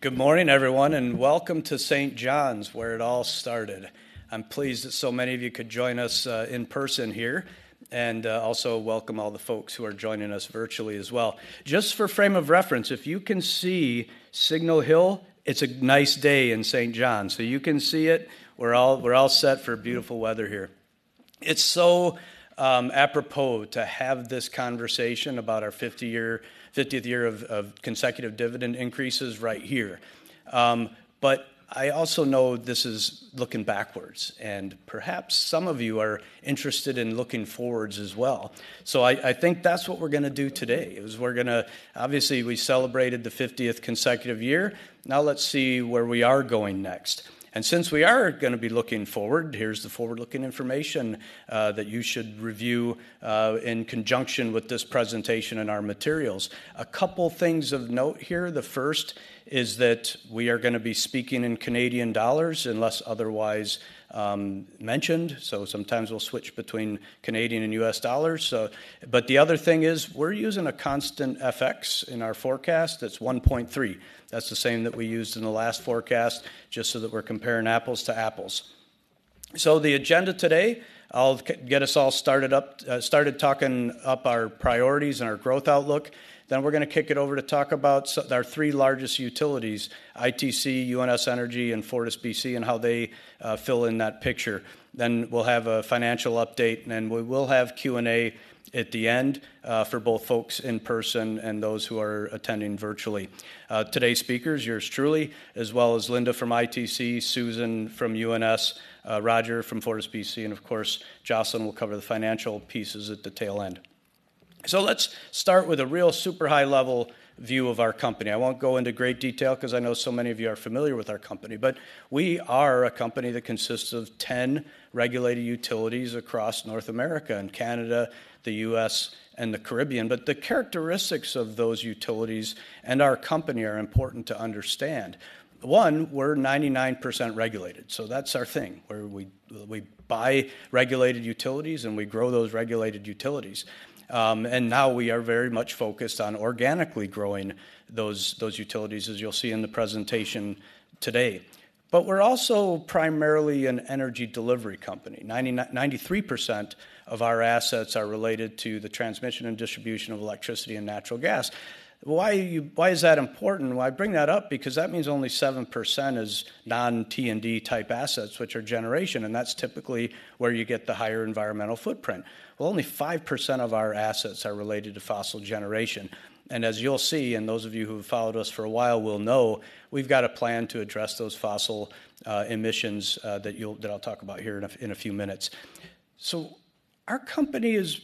Good morning, everyone, and welcome to St. John's, where it all started. I'm pleased that so many of you could join us in person here, and also welcome all the folks who are joining us virtually as well. Just for frame of reference, if you can see Signal Hill, it's a nice day in St. John's. You can see it, we're all set for beautiful weather here. It's so apropos to have this conversation about our 50-year, 50 year of consecutive dividend increases right here. I also know this is looking backwards, and perhaps some of you are interested in looking forwards as well. I think that's what we're gonna do today, is we're gonna obviously, we celebrated the 50th consecutive year, now let's see where we are going next. And since we are gonna be looking forward, here's the forward-looking information, that you should review, in conjunction with this presentation and our materials. A couple things of note here. The first is that we are gonna be speaking in Canadian dollars, unless otherwise, mentioned. So sometimes we'll switch between Canadian and U.S. dollars. But the other thing is, we're using a constant FX in our forecast. That's 1.3. That's the same that we used in the last forecast, just so that we're comparing apples to apples. So the agenda today, I'll get us all started up, started talking up our priorities and our growth outlook. Then we're gonna kick it over to talk about our three largest utilities: ITC, UNS Energy, and FortisBC, and how they, fill in that picture. We'll have a financial update, and then we will have Q&A at the end for both folks in person and those who are attending virtually. Today's speakers, yours truly, as well as Linda from ITC, Susan from UNS, Roger from FortisBC, and of course, Jocelyn will cover the financial pieces at the tail end. Let's start with a real super high-level view of our company. I won't go into great detail 'cause I know so many of you are familiar with our company, but we are a company that consists of 10 regulated utilities across North America, in Canada, the U.S., and the Caribbean. The characteristics of those utilities and our company are important to understand. One, we're 99% regulated, so that's our thing, where we buy regulated utilities, and we grow those regulated utilities. And now we are very much focused on organically growing those utilities, as you'll see in the presentation today. But we're also primarily an energy delivery company. 93% of our assets are related to the transmission and distribution of electricity and natural gas. Why is that important? Well, I bring that up because that means only 7% is non-T&D-type assets, which are generation, and that's typically where you get the higher environmental footprint. Well, only 5% of our assets are related to fossil generation, and as you'll see, and those of you who have followed us for a while will know, we've got a plan to address those fossil emissions that I'll talk about here in a few minutes. Our company has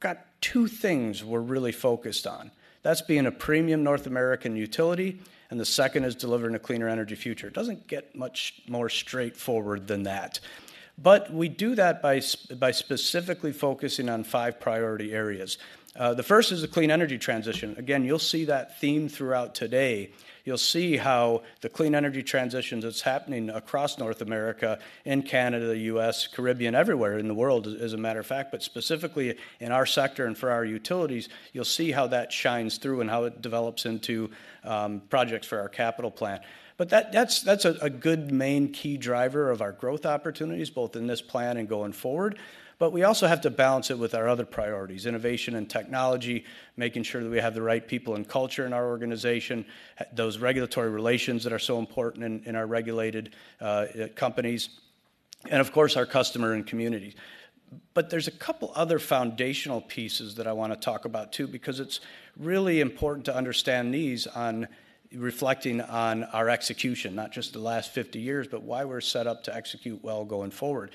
got two things we're really focused on. That's being a premium North American utility, and the second is delivering a cleaner energy future. It doesn't get much more straightforward than that. But we do that by specifically focusing on five priority areas. The first is the clean energy transition. Again, you'll see that theme throughout today. You'll see how the clean energy transitions that's happening across North America, in Canada, the U.S., Caribbean, everywhere in the world, as a matter of fact, but specifically in our sector and for our utilities, you'll see how that shines through and how it develops into projects for our capital plan. But that's a good main key driver of our growth opportunities, both in this plan and going forward. But we also have to balance it with our other priorities: innovation and technology, making sure that we have the right people and culture in our organization, those regulatory relations that are so important in our regulated companies, and of course, our customer and communities. But there's a couple other foundational pieces that I want to talk about, too, because it's really important to understand these on reflecting on our execution, not just the last 50 years, but why we're set up to execute well going forward.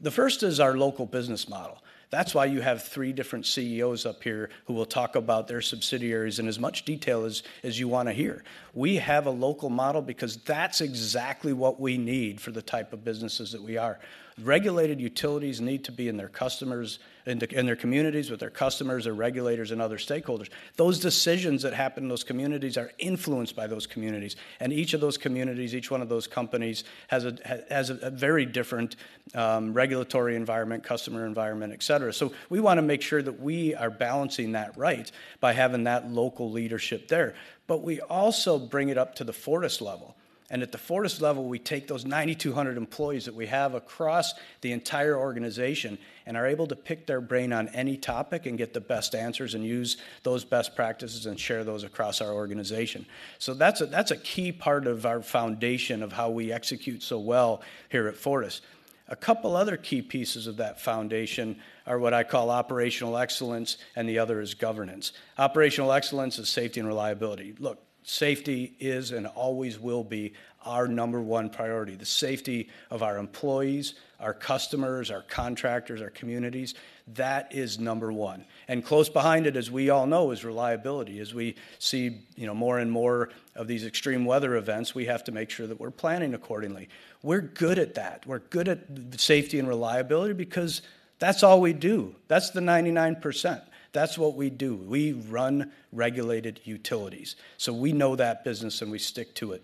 The first is our local business model. That's why you have three different CEOs up here who will talk about their subsidiaries in as much detail as you want to hear. We have a local model because that's exactly what we need for the type of businesses that we are. Regulated utilities need to be in their customers, in their communities, with their customers, their regulators, and other stakeholders. Those decisions that happen in those communities are influenced by those communities, and each of those communities, each one of those companies, has a very different regulatory environment, customer environment, et cetera. So we want to make sure that we are balancing that right by having that local leadership there. But we also bring it up to the Fortis level, and at the Fortis level, we take those 9,200 employees that we have across the entire organization and are able to pick their brain on any topic and get the best answers and use those best practices and share those across our organization. So that's a key part of our foundation of how we execute so well here at Fortis. A couple other key pieces of that foundation are what I call operational excellence, and the other is governance. Operational excellence is safety and reliability. Look, safety is and always will be our number one priority. The safety of our employees, our customers, our contractors, our communities, that is number one. And close behind it, as we all know, is reliability. As we see, you know, more and more of these extreme weather events, we have to make sure that we're planning accordingly. We're good at that. We're good at safety and reliability because that's all we do. That's the 99%. That's what we do. We run regulated utilities, so we know that business, and we stick to it.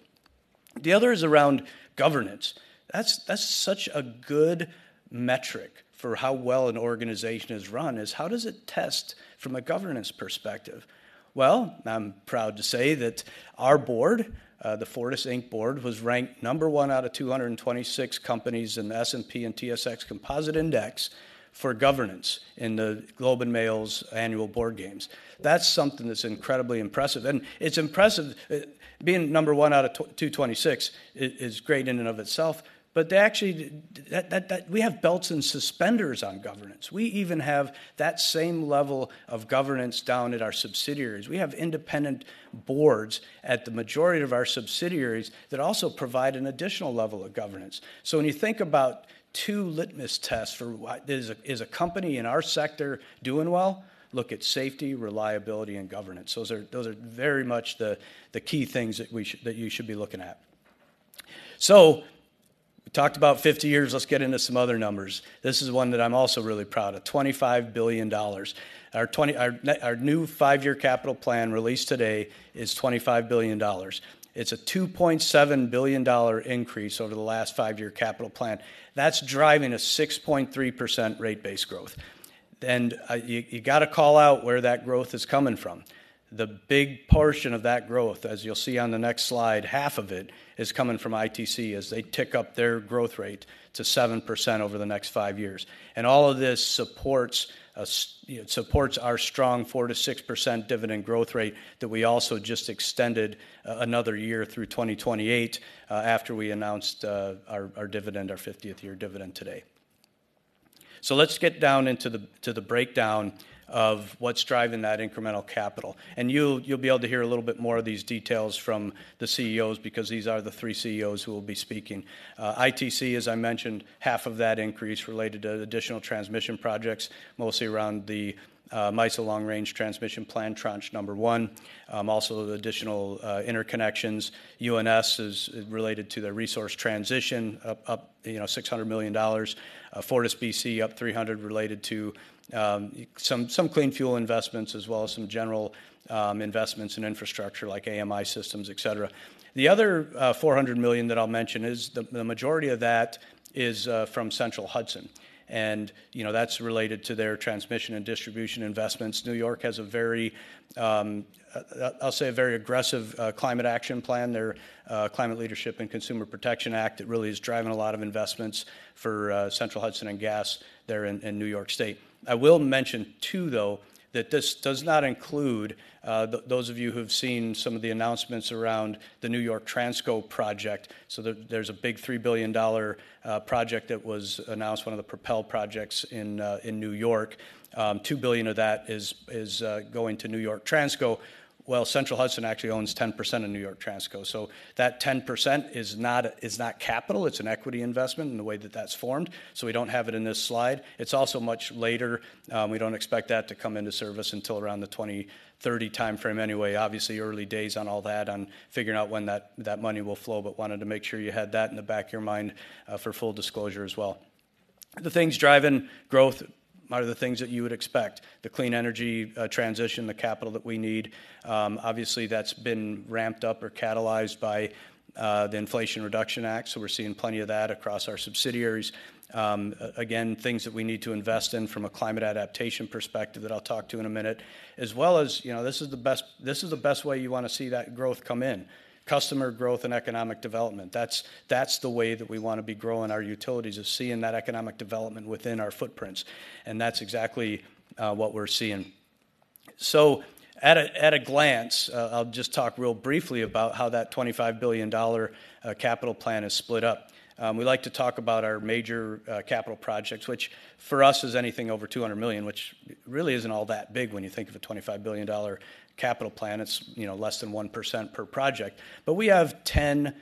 The other is around governance. That's, that's such a good metric for how well an organization is run, is how does it test from a governance perspective? Well, I'm proud to say that our board, the Fortis Inc. Board, was ranked number one out of 226 companies in the S&P/TSX Composite Index for governance in The Globe and Mail's annual Board Games. That's something that's incredibly impressive, and it's impressive, it being number one out of 226 is great in and of itself, but they actually we have belts and suspenders on governance. We even have that same level of governance down at our subsidiaries. We have independent boards at the majority of our subsidiaries that also provide an additional level of governance. So when you think about two litmus tests for why is a company in our sector doing well, look at safety, reliability, and governance. Those are, those are very much the, the key things that you should be looking at. So we talked about 50 years. Let's get into some other numbers. This is one that I'm also really proud of, 25 billion dollars. Our new five-year capital plan, released today, is 25 billion dollars. It's a 2.7 billion dollar increase over the last five-year capital plan. That's driving a 6.3% rate base growth. And, you, you got to call out where that growth is coming from. The big portion of that growth, as you'll see on the next slide, half of it is coming from ITC as they tick up their growth rate to 7% over the next five years. All of this supports, you know, supports our strong 4%-6% dividend growth rate that we also just extended another year through 2028 after we announced our 50th-year dividend today. Let's get down into the breakdown of what's driving that incremental capital. You'll be able to hear a little bit more of these details from the CEOs, because these are the three CEOs who will be speaking. ITC, as I mentioned, half of that increase related to additional transmission projects, mostly around the MISO Long Range Transmission Plan, Tranche 1, also the additional interconnections. UNS is related to the resource transition, up you know $600 million. FortisBC, up $300 million, related to some clean fuel investments, as well as some general investments in infrastructure like AMI systems, etcetera. The other $400 million that I'll mention is, the majority of that is from Central Hudson, and, you know, that's related to their transmission and distribution investments. New York has a very, I'll say a very aggressive climate action plan, their Climate Leadership and Community Protection Act. It really is driving a lot of investments for Central Hudson and gas there in New York State. I will mention, too, though, that this does not include those of you who have seen some of the announcements around the New York Transco project. So there, there's a big $3 billion project that was announced, one of the Propel projects in New York. $2 billion of that is going to New York Transco. Well, Central Hudson actually owns 10% of New York Transco, so that 10% is not capital. It's an equity investment in the way that that's formed, so we don't have it in this slide. It's also much later. We don't expect that to come into service until around the 2030 timeframe anyway. Obviously, early days on all that, on figuring out when that money will flow, but wanted to make sure you had that in the back of your mind for full disclosure as well. The things driving growth are the things that you would expect, the clean energy transition, the capital that we need. Obviously, that's been ramped up or catalyzed by the Inflation Reduction Act, so we're seeing plenty of that across our subsidiaries. Again, things that we need to invest in from a climate adaptation perspective that I'll talk to in a minute, as well as, you know, this is the best, this is the best way you want to see that growth come in, customer growth and economic development. That's, that's the way that we want to be growing our utilities, is seeing that economic development within our footprints, and that's exactly what we're seeing. So at a glance, I'll just talk real briefly about how that 25 billion dollar capital plan is split up. We like to talk about our major, capital projects, which for us is anything over 200 million, which really isn't all that big when you think of a 25 billion dollar capital plan. It's, you know, less than 1% per project. We have 10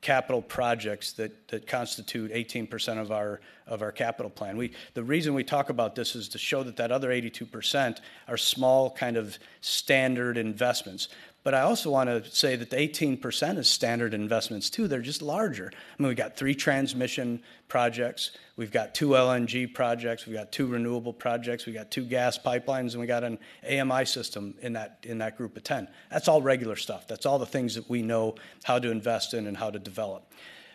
capital projects that, that constitute 18% of our, of our capital plan. The reason we talk about this is to show that that other 82% are small, kind of standard investments. I also want to say that the 18% is standard investments, too. They're just larger. I mean, we've got three transmission projects, we've got two LNG projects, we've got two renewable projects, we've got two gas pipelines, and we got an AMI system in that, in that group of 10. That's all regular stuff. That's all the things that we know how to invest in and how to develop.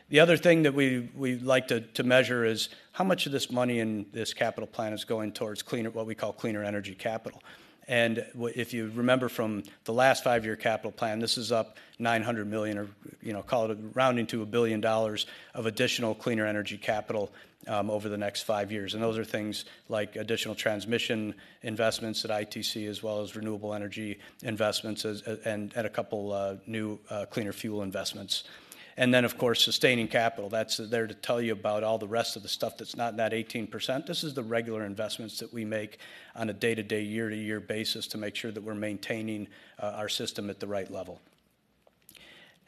The other thing that we like to measure is how much of this money in this capital plan is going towards cleaner, what we call cleaner energy capital. If you remember from the last five-year capital plan, this is up 900 million or, you know, call it rounding to 1 billion dollars of additional cleaner energy capital over the next five years. And those are things like additional transmission investments at ITC, as well as renewable energy investments, and a couple of new cleaner fuel investments. And then, of course, sustaining capital, that's there to tell you about all the rest of the stuff that's not in that 18%. This is the regular investments that we make on a day-to-day, year-to-year basis to make sure that we're maintaining our system at the right level.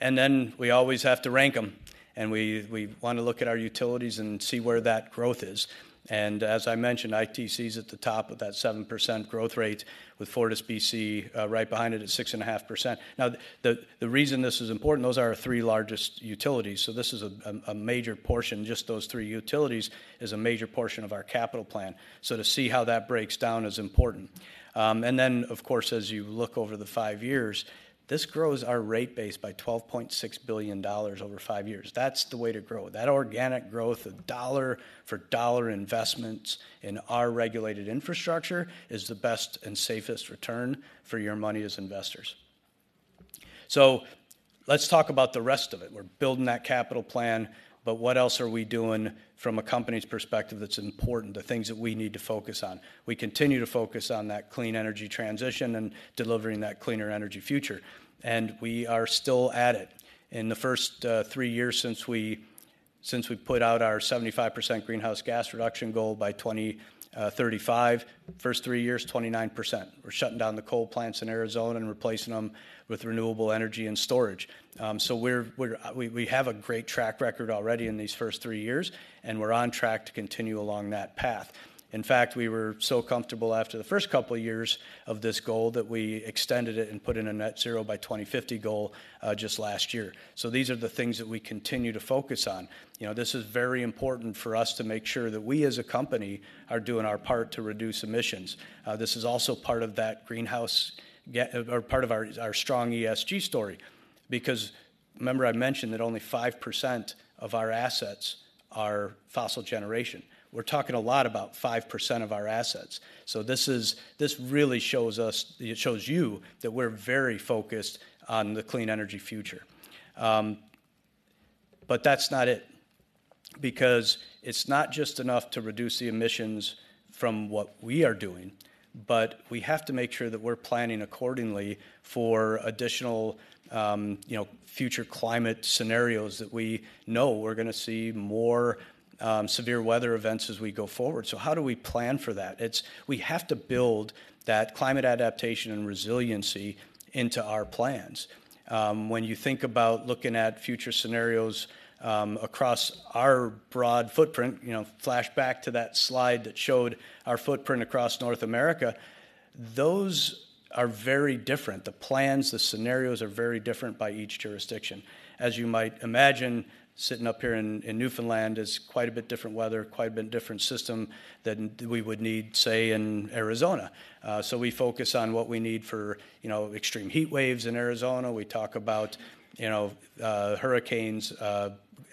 And then we always have to rank them, and we want to look at our utilities and see where that growth is. And as I mentioned, ITC is at the top of that 7% growth rate, with FortisBC right behind it at 6.5%. Now, the reason this is important, those are our three largest utilities, so this is a major portion, just those three utilities is a major portion of our capital plan. So to see how that breaks down is important. And then, of course, as you look over the five years, this grows our rate base by 12.6 billion dollars over five years. That's the way to grow. That organic growth of dollar-for-dollar investments in our regulated infrastructure is the best and safest return for your money as investors. So let's talk about the rest of it. We're building that capital plan, but what else are we doing from a company's perspective that's important, the things that we need to focus on? We continue to focus on that clean energy transition and delivering that cleaner energy future, and we are still at it. In the first three years since we put out our 75% greenhouse gas reduction goal by 2035, first three years, 29%. We're shutting down the coal plants in Arizona and replacing them with renewable energy and storage. So we have a great track record already in these first three years, and we're on track to continue along that path. In fact, we were so comfortable after the first couple of years of this goal that we extended it and put in a net zero by 2050 goal, just last year. So these are the things that we continue to focus on. You know, this is very important for us to make sure that we, as a company, are doing our part to reduce emissions. This is also part of that greenhouse or part of our, our strong ESG story, because remember I mentioned that only 5% of our assets are fossil generation. We're talking a lot about 5% of our assets. So this is this really shows us, it shows you, that we're very focused on the clean energy future. But that's not it, because it's not just enough to reduce the emissions from what we are doing, but we have to make sure that we're planning accordingly for additional, you know, future climate scenarios that we know we're going to see more, severe weather events as we go forward. So how do we plan for that? It's. We have to build that climate adaptation and resiliency into our plans. When you think about looking at future scenarios, across our broad footprint, you know, flash back to that slide that showed our footprint across North America, those are very different. The plans, the scenarios are very different by each jurisdiction. As you might imagine, sitting up here in Newfoundland is quite a bit different weather, quite a bit different system than we would need, say, in Arizona. So we focus on what we need for, you know, extreme heat waves in Arizona. We talk about, you know, hurricanes,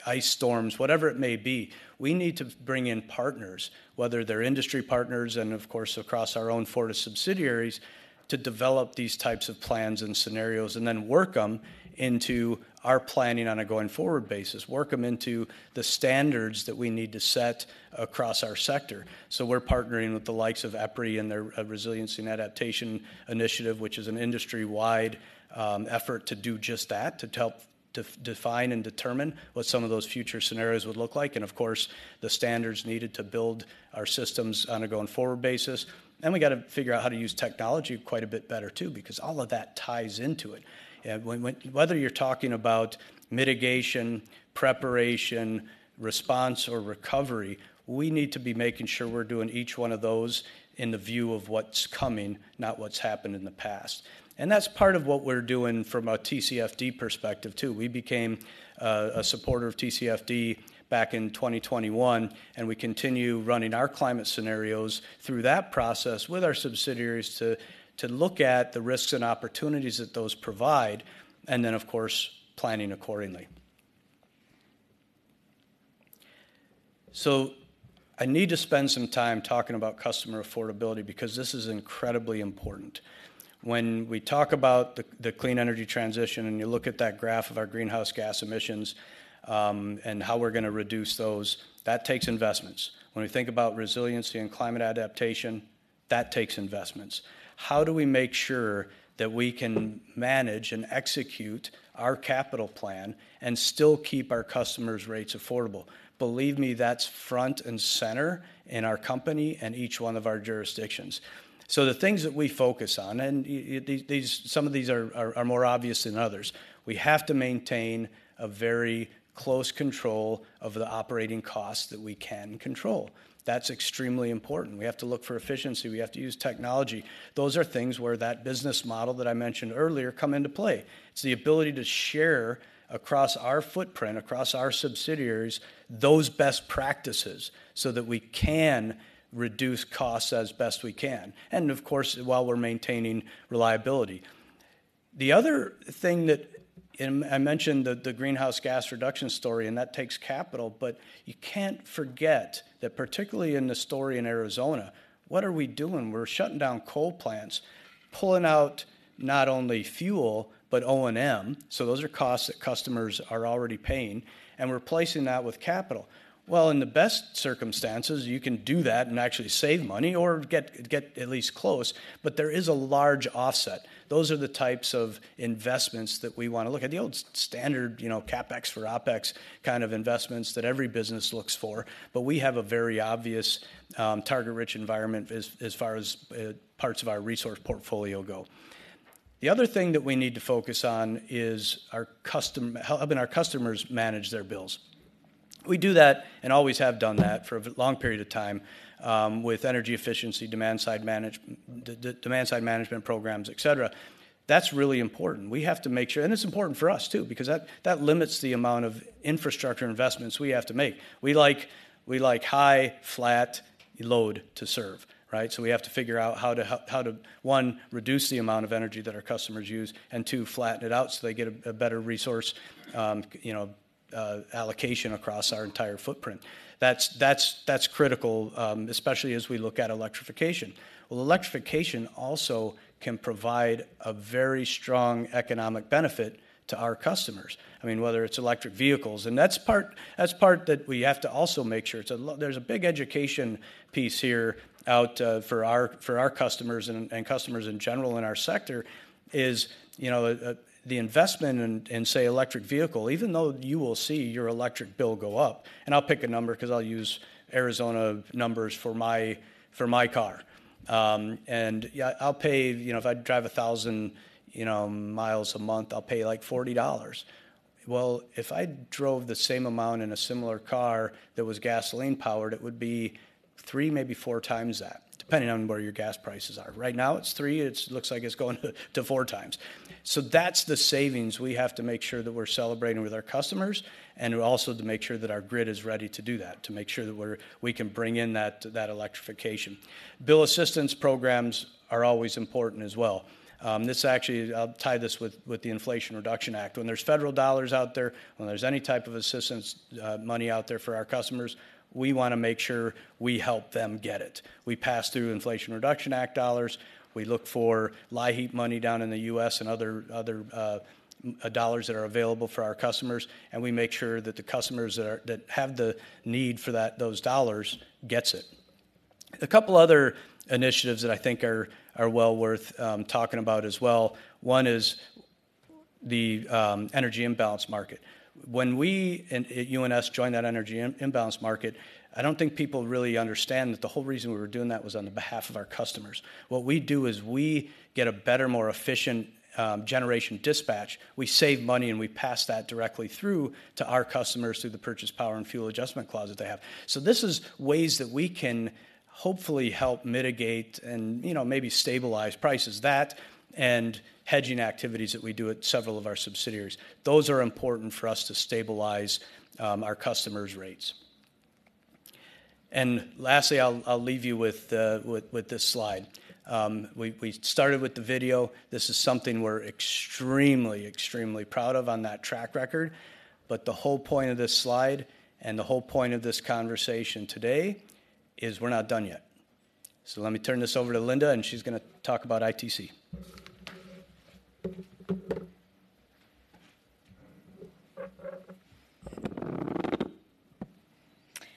ice storms, whatever it may be. We need to bring in partners, whether they're industry partners and of course, across our own Fortis subsidiaries, to develop these types of plans and scenarios and then work them into our planning on a going-forward basis, work them into the standards that we need to set across our sector. So we're partnering with the likes of EPRI and their Resilience and Adaptation Initiative, which is an industry-wide effort to do just that, to help define and determine what some of those future scenarios would look like, and of course, the standards needed to build our systems on a going-forward basis. Then we got to figure out how to use technology quite a bit better, too, because all of that ties into it. When whether you're talking about mitigation, preparation, response, or recovery, we need to be making sure we're doing each one of those in the view of what's coming, not what's happened in the past. And that's part of what we're doing from a TCFD perspective, too. We became a supporter of TCFD back in 2021, and we continue running our climate scenarios through that process with our subsidiaries to look at the risks and opportunities that those provide, and then, of course, planning accordingly. So I need to spend some time talking about customer affordability, because this is incredibly important. When we talk about the clean energy transition, and you look at that graph of our greenhouse gas emissions, and how we're going to reduce those, that takes investments. When we think about resiliency and climate adaptation, that takes investments. How do we make sure that we can manage and execute our capital plan and still keep our customers' rates affordable? Believe me, that's front and center in our company and each one of our jurisdictions. So the things that we focus on, and these, some of these are more obvious than others. We have to maintain a very close control of the operating costs that we can control. That's extremely important. We have to look for efficiency. We have to use technology. Those are things where that business model that I mentioned earlier come into play. It's the ability to share across our footprint, across our subsidiaries, those best practices so that we can reduce costs as best we can, and of course, while we're maintaining reliability. The other thing that, and I mentioned the, the greenhouse gas reduction story, and that takes capital, but you can't forget that, particularly in the story in Arizona, what are we doing? We're shutting down coal plants, pulling out not only fuel, but O&M. So those are costs that customers are already paying, and we're replacing that with capital. Well, in the best circumstances, you can do that and actually save money or get, get at least close, but there is a large offset. Those are the types of investments that we want to look at, the old standard, you know, CapEx for OpEx kind of investments that every business looks for. But we have a very obvious target-rich environment as far as parts of our resource portfolio go. The other thing that we need to focus on is how, I mean, our customers manage their bills. We do that, and always have done that for a very long period of time, with energy efficiency, demand-side management programs, et cetera. That's really important. We have to make sure and it's important for us, too, because that limits the amount of infrastructure investments we have to make. We like high, flat load to serve, right? So we have to figure out how to, one, reduce the amount of energy that our customers use, and two, flatten it out so they get a better resource, you know, allocation across our entire footprint. That's critical, especially as we look at electrification. Well, electrification also can provide a very strong economic benefit to our customers. I mean, whether it's electric vehicles, and that's part that we have to also make sure. There's a big education piece here out for our customers and customers in general in our sector, you know, the investment in, say, electric vehicle. Even though you will see your electric bill go up, and I'll pick a number 'cause I'll use Arizona numbers for my car. And yeah, I'll pay. You know, if I drive 1,000 miles a month, I'll pay, like, $40. Well, if I drove the same amount in a similar car that was gasoline-powered, it would be 3x, maybe 4x that, depending on where your gas prices are. Right now, it's 3x, and it looks like it's going to 4x. So that's the savings we have to make sure that we're celebrating with our customers, and also to make sure that our grid is ready to do that, to make sure that we can bring in that electrification. Bill assistance programs are always important as well. This actually, I'll tie this with the Inflation Reduction Act. When there's federal dollars out there, when there's any type of assistance, money out there for our customers, we wanna make sure we help them get it. We pass through Inflation Reduction Act dollars. We look for LIHEAP money down in the U.S. and other dollars that are available for our customers, and we make sure that the customers that are- that have the need for that- those dollars gets it. A couple other initiatives that I think are well worth talking about as well. One is the Energy Imbalance Market. When we at UNS joined that Energy Imbalance Market, I don't think people really understand that the whole reason we were doing that was on the behalf of our customers. What we do is we get a better, more efficient generation dispatch. We save money, and we pass that directly through to our customers through the Purchased Power and Fuel Adjustment Clause that they have. So this is ways that we can hopefully help mitigate and, you know, maybe stabilize prices. That, and hedging activities that we do at several of our subsidiaries, those are important for us to stabilize our customers' rates. And lastly, I'll leave you with this slide. We started with the video. This is something we're extremely, extremely proud of on that track record, but the whole point of this slide and the whole point of this conversation today is we're not done yet. So let me turn this over to Linda, and she's gonna talk about ITC.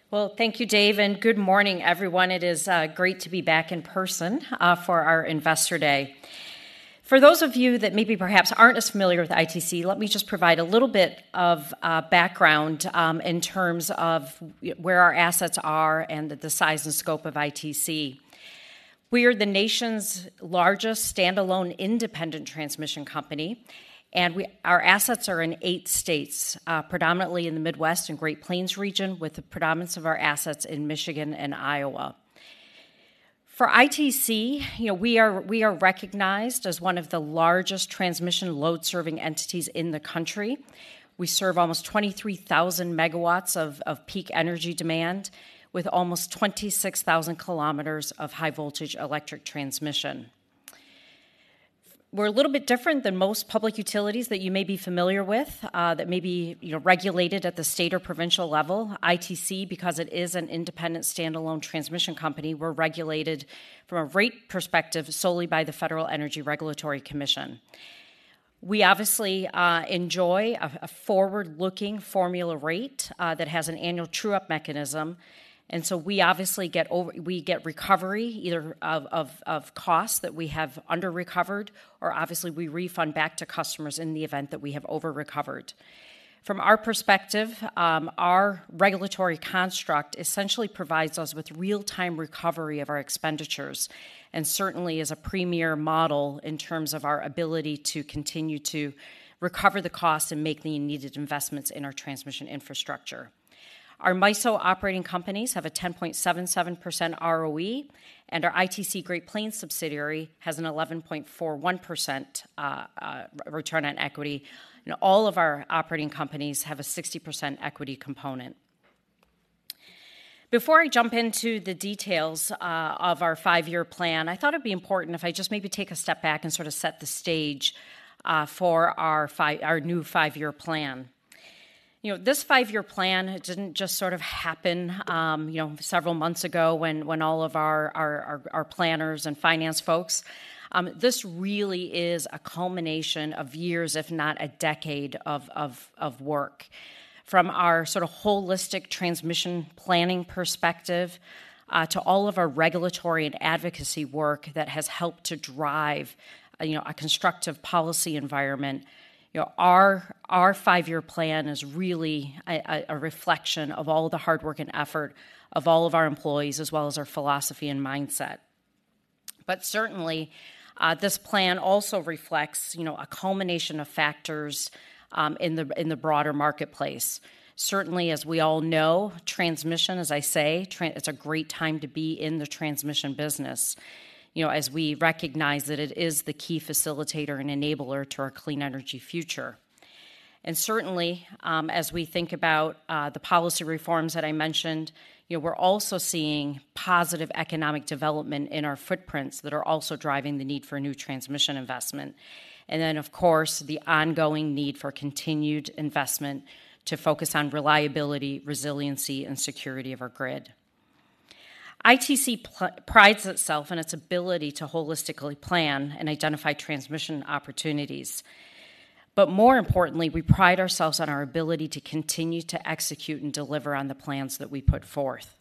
Well, thank you, Dave, and good morning, everyone. It is great to be back in person for our Investor Day. For those of you that maybe perhaps aren't as familiar with ITC, let me just provide a little bit of background in terms of where our assets are and the size and scope of ITC. We are the nation's largest standalone independent transmission company, and our assets are in eight states, predominantly in the Midwest and Great Plains region, with the predominance of our assets in Michigan and Iowa. For ITC, you know, we are recognized as one of the largest transmission load-serving entities in the country. We serve almost 23,000 MW of peak energy demand, with almost 26,000 km of high-voltage electric transmission. We're a little bit different than most public utilities that you may be familiar with, that may be, you know, regulated at the state or provincial level. ITC, because it is an independent, standalone transmission company, we're regulated from a rate perspective solely by the Federal Energy Regulatory Commission. We obviously enjoy a forward-looking formula rate that has an annual true-up mechanism, and so we obviously get recovery either of costs that we have under-recovered, or obviously, we refund back to customers in the event that we have over-recovered. From our perspective, our regulatory construct essentially provides us with real-time recovery of our expenditures and certainly is a premier model in terms of our ability to continue to recover the costs and make the needed investments in our transmission infrastructure. Our MISO operating companies have a 10.77% ROE, and our ITC Great Plains subsidiary has an 11.41% return on equity. All of our operating companies have a 60% equity component. Before I jump into the details of our five-year plan, I thought it'd be important if I just maybe take a step back and sort of set the stage for our new five-year plan. You know, this five-year plan, it didn't just sort of happen, you know, several months ago when all of our planners and finance folks... This really is a culmination of years, if not a decade of work. From our sort of holistic transmission planning perspective, to all of our regulatory and advocacy work that has helped to drive, you know, a constructive policy environment, you know, our five-year plan is really a reflection of all the hard work and effort of all of our employees, as well as our philosophy and mindset. But certainly, this plan also reflects, you know, a culmination of factors in the broader marketplace. Certainly, as we all know, transmission, as I say, it's a great time to be in the transmission business, you know, as we recognize that it is the key facilitator and enabler to our clean energy future. And certainly, as we think about the policy reforms that I mentioned, you know, we're also seeing positive economic development in our footprints that are also driving the need for new transmission investment. And then, of course, the ongoing need for continued investment to focus on reliability, resiliency, and security of our grid. ITC prides itself on its ability to holistically plan and identify transmission opportunities. But more importantly, we pride ourselves on our ability to continue to execute and deliver on the plans that we put forth.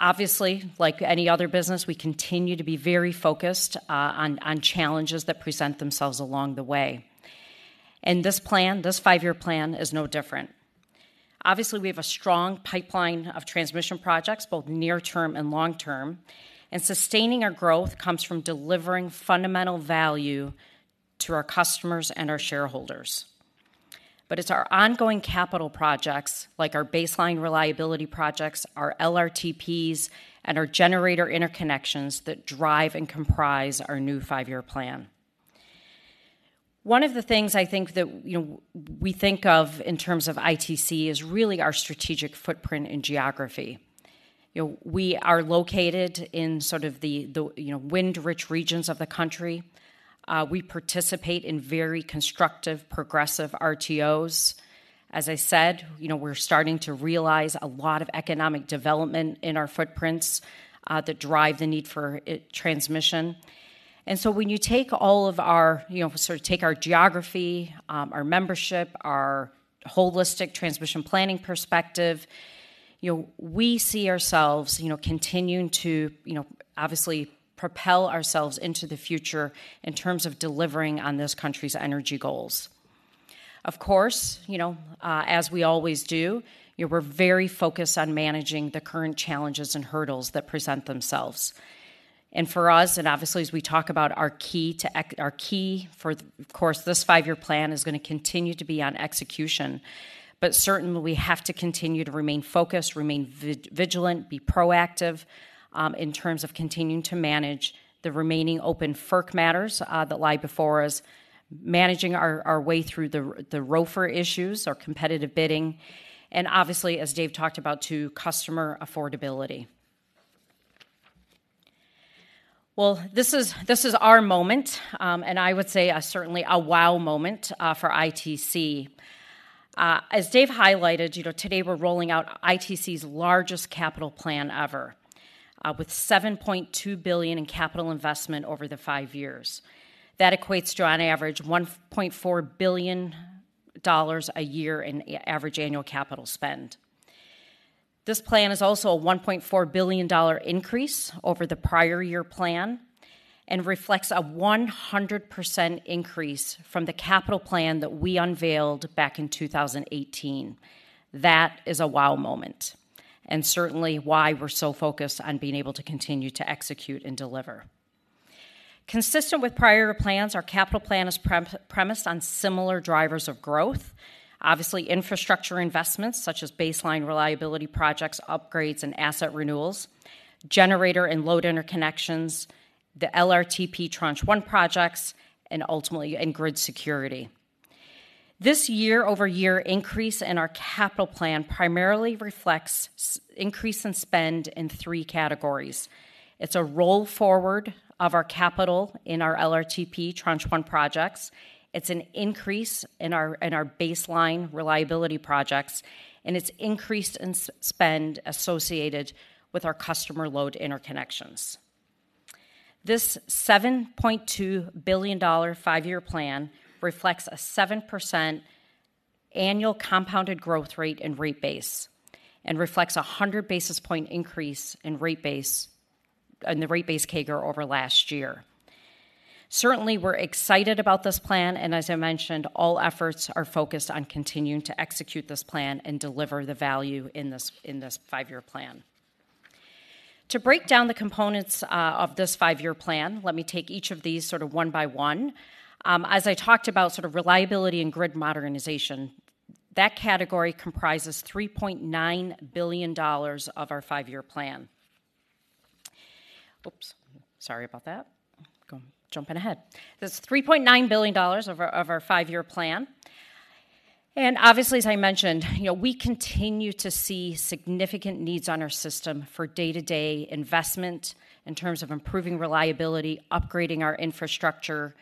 Obviously, like any other business, we continue to be very focused on challenges that present themselves along the way. And this plan, this five-year plan, is no different. Obviously, we have a strong pipeline of transmission projects, both near-term and long-term, and sustaining our growth comes from delivering fundamental value to our customers and our shareholders. But it's our ongoing capital projects, like our baseline reliability projects, our LRTPs, and our generator interconnections, that drive and comprise our new five-year plan. One of the things I think that, you know, we think of in terms of ITC is really our strategic footprint and geography. You know, we are located in sort of the, you know, wind-rich regions of the country. We participate in very constructive, progressive RTOs. As I said, you know, we're starting to realize a lot of economic development in our footprints that drive the need for transmission. And so when you take all of our you know, sort of take our geography, our membership, our holistic transmission planning perspective, you know, we see ourselves, you know, continuing to, you know, obviously propel ourselves into the future in terms of delivering on this country's energy goals. Of course, you know, as we always do, you know, we're very focused on managing the current challenges and hurdles that present themselves. And for us, and obviously as we talk about our key for, of course, this five-year plan is going to continue to be on execution. But certainly, we have to continue to remain focused, remain vigilant, be proactive, in terms of continuing to manage the remaining open FERC matters that lie before us, managing our way through the ROFR issues, our competitive bidding, and obviously, as Dave talked about, too, customer affordability. Well, this is our moment, and I would say, certainly a wow moment, for ITC. As Dave highlighted, you know, today we're rolling out ITC's largest capital plan ever, with $7.2 billion in capital investment over the five years. That equates to, on average, $1.4 billion a year in average annual capital spend. This plan is also a $1.4 billion increase over the prior year plan and reflects a 100% increase from the capital plan that we unveiled back in 2018. That is a wow moment, and certainly why we're so focused on being able to continue to execute and deliver. Consistent with prior plans, our capital plan is premised on similar drivers of growth: obviously, infrastructure investments, such as baseline reliability projects, upgrades, and asset renewals, generator and load interconnections, the LRTP Tranche 1 projects, and ultimately, and grid security. This year-over-year increase in our capital plan primarily reflects increase in spend in three categories. It's a roll forward of our capital in our LRTP Tranche 1 projects, it's an increase in our baseline reliability projects, and it's increase in spend associated with our customer load interconnections. This $7.2 billion five-year plan reflects a 7% annual compounded growth rate in rate base and reflects a 100 basis point increase in the rate base CAGR over last year. Certainly, we're excited about this plan, and as I mentioned, all efforts are focused on continuing to execute this plan and deliver the value in this five-year plan. To break down the components of this five-year plan, let me take each of these sort of one by one. As I talked about, sort of reliability and grid modernization, that category comprises $3.9 billion of our five-year plan. Oops, sorry about that. Jumping ahead. This is $3.9 billion of our five-year plan. Obviously, as I mentioned, you know, we continue to see significant needs on our system for day-to-day investment in terms of improving reliability, upgrading our infrastructure.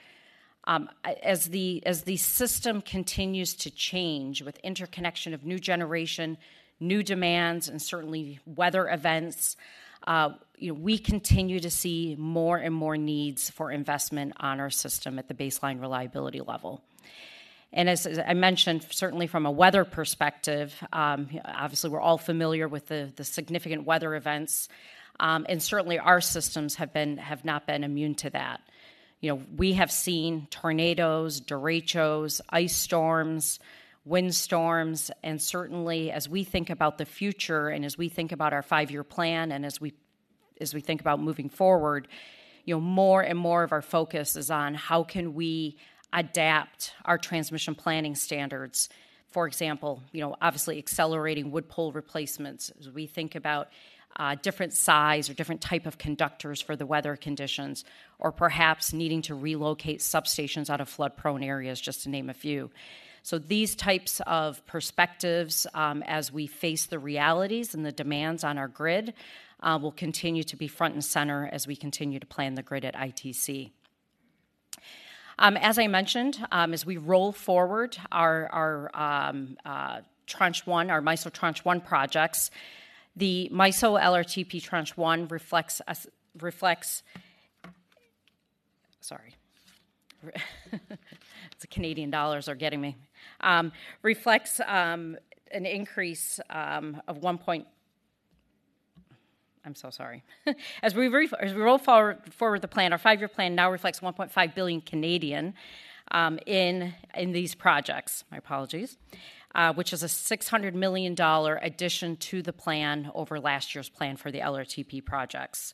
As the system continues to change with interconnection of new generation, new demands, and certainly weather events, you know, we continue to see more and more needs for investment on our system at the baseline reliability level. As I mentioned, certainly from a weather perspective, obviously, we're all familiar with the significant weather events, and certainly our systems have not been immune to that. You know, we have seen tornadoes, derechos, ice storms, wind storms, and certainly, as we think about the future and as we think about our five-year plan, and as we think about moving forward, you know, more and more of our focus is on how can we adapt our transmission planning standards. For example, you know, obviously accelerating wood pole replacements, as we think about different size or different type of conductors for the weather conditions, or perhaps needing to relocate substations out of flood-prone areas, just to name a few. So these types of perspectives, as we face the realities and the demands on our grid, will continue to be front and center as we continue to plan the grid at ITC. As I mentioned, as we roll forward our Tranche 1, our MISO Tranche 1 projects, the MISO LRTP Tranche 1 reflects as, reflects... Sorry. The Canadian dollars are getting me. Reflects an increase of 1.5 billion in these projects, my apologies, which is a 600 million dollar addition to the plan over last year's plan for the LRTP projects.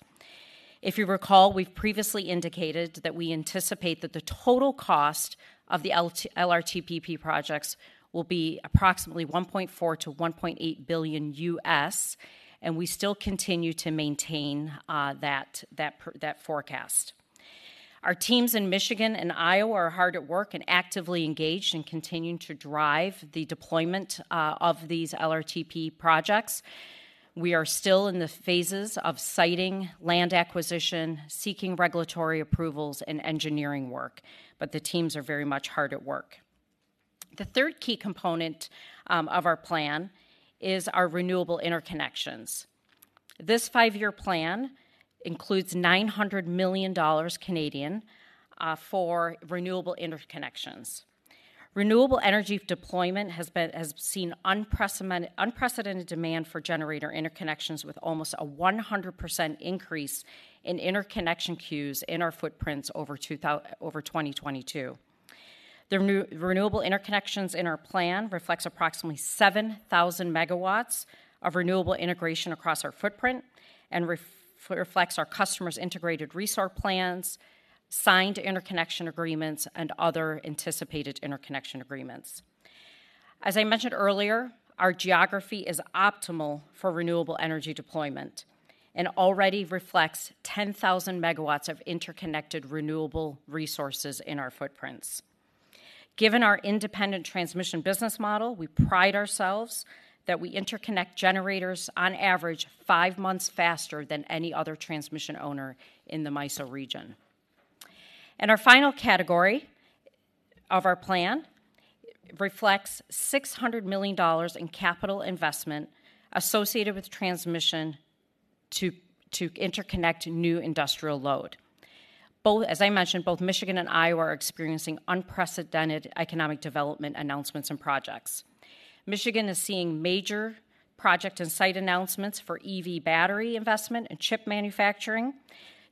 If you recall, we've previously indicated that we anticipate that the total cost of the LRTP projects will be approximately $1.4 billion-$1.8 billion, and we still continue to maintain that forecast. Our teams in Michigan and Iowa are hard at work and actively engaged in continuing to drive the deployment of these LRTP projects. We are still in the phases of siting, land acquisition, seeking regulatory approvals, and engineering work, but the teams are very much hard at work. The third key component of our plan is our renewable interconnections. This five-year plan includes 900 million Canadian dollars for renewable interconnections. Renewable energy deployment has seen unprecedented demand for generator interconnections, with almost a 100% increase in interconnection queues in our footprints over 2022. The renewable interconnections in our plan reflects approximately 7,000 megawatts of renewable integration across our footprint and reflects our customers' Integrated Resource Plans, signed interconnection agreements, and other anticipated interconnection agreements. As I mentioned earlier, our geography is optimal for renewable energy deployment and already reflects 10,000 MW of interconnected renewable resources in our footprints. Given our independent transmission business model, we pride ourselves that we interconnect generators on average five months faster than any other transmission owner in the MISO region. Our final category of our plan reflects $600 million in capital investment associated with transmission to interconnect new industrial load. As I mentioned, both Michigan and Iowa are experiencing unprecedented economic development announcements and projects. Michigan is seeing major project and site announcements for EV battery investment and chip manufacturing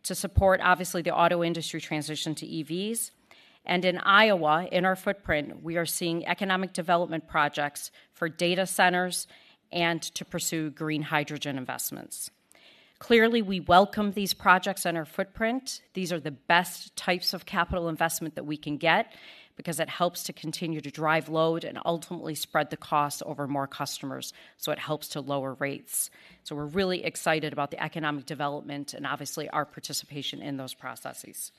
to support, obviously, the auto industry transition to EVs. In Iowa, in our footprint, we are seeing economic development projects for data centers and to pursue green hydrogen investments. Clearly, we welcome these projects in our footprint. These are the best types of capital investment that we can get because it helps to continue to drive load and ultimately spread the costs over more customers, so it helps to lower rates. So we're really excited about the economic development and obviously our participation in those processes.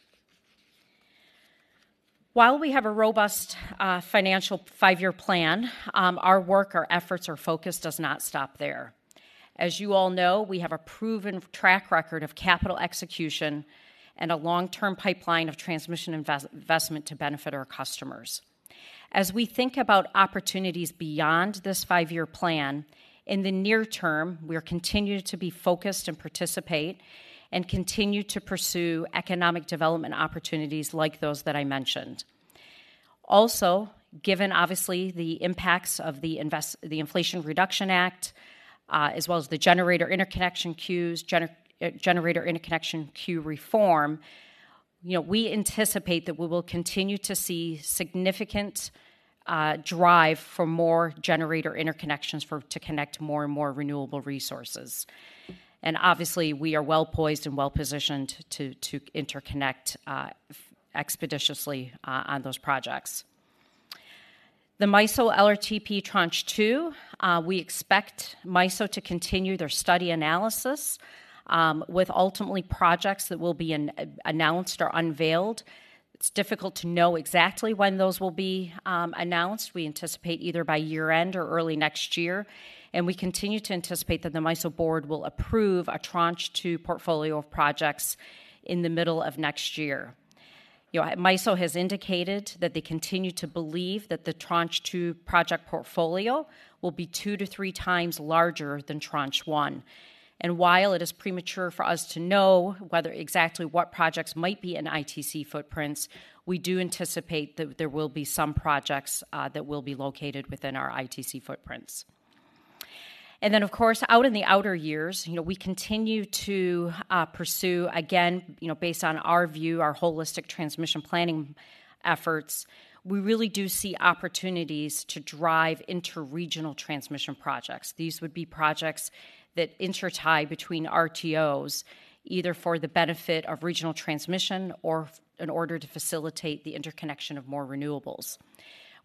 While we have a robust financial five-year plan, our work, our efforts, our focus does not stop there. As you all know, we have a proven track record of capital execution and a long-term pipeline of transmission investment to benefit our customers. As we think about opportunities beyond this five-year plan, in the near term, we're continued to be focused and participate and continue to pursue economic development opportunities like those that I mentioned. Also, given obviously the impacts of the Inflation Reduction Act, as well as the generator interconnection queues, generator interconnection queue reform, you know, we anticipate that we will continue to see significant drive for more generator interconnections to connect more and more renewable resources. And obviously, we are well-poised and well-positioned to interconnect expeditiously on those projects. The MISO LRTP Tranche 2, we expect MISO to continue their study analysis with ultimately projects that will be announced or unveiled. It's difficult to know exactly when those will be announced. We anticipate either by year-end or early next year, and we continue to anticipate that the MISO Board will approve a Tranche 2 portfolio of projects in the middle of next year. You know, MISO has indicated that they continue to believe that the Tranche 2 project portfolio will be 2x-3x times larger than Tranche 1. While it is premature for us to know exactly what projects might be in ITC footprints, we do anticipate that there will be some projects that will be located within our ITC footprints. Of course, out in the outer years, you know, we continue to, you know, based on our view, our holistic transmission planning efforts, we really do see opportunities to drive interregional transmission projects. These would be projects that intertie between RTOs, either for the benefit of regional transmission or in order to facilitate the interconnection of more renewables.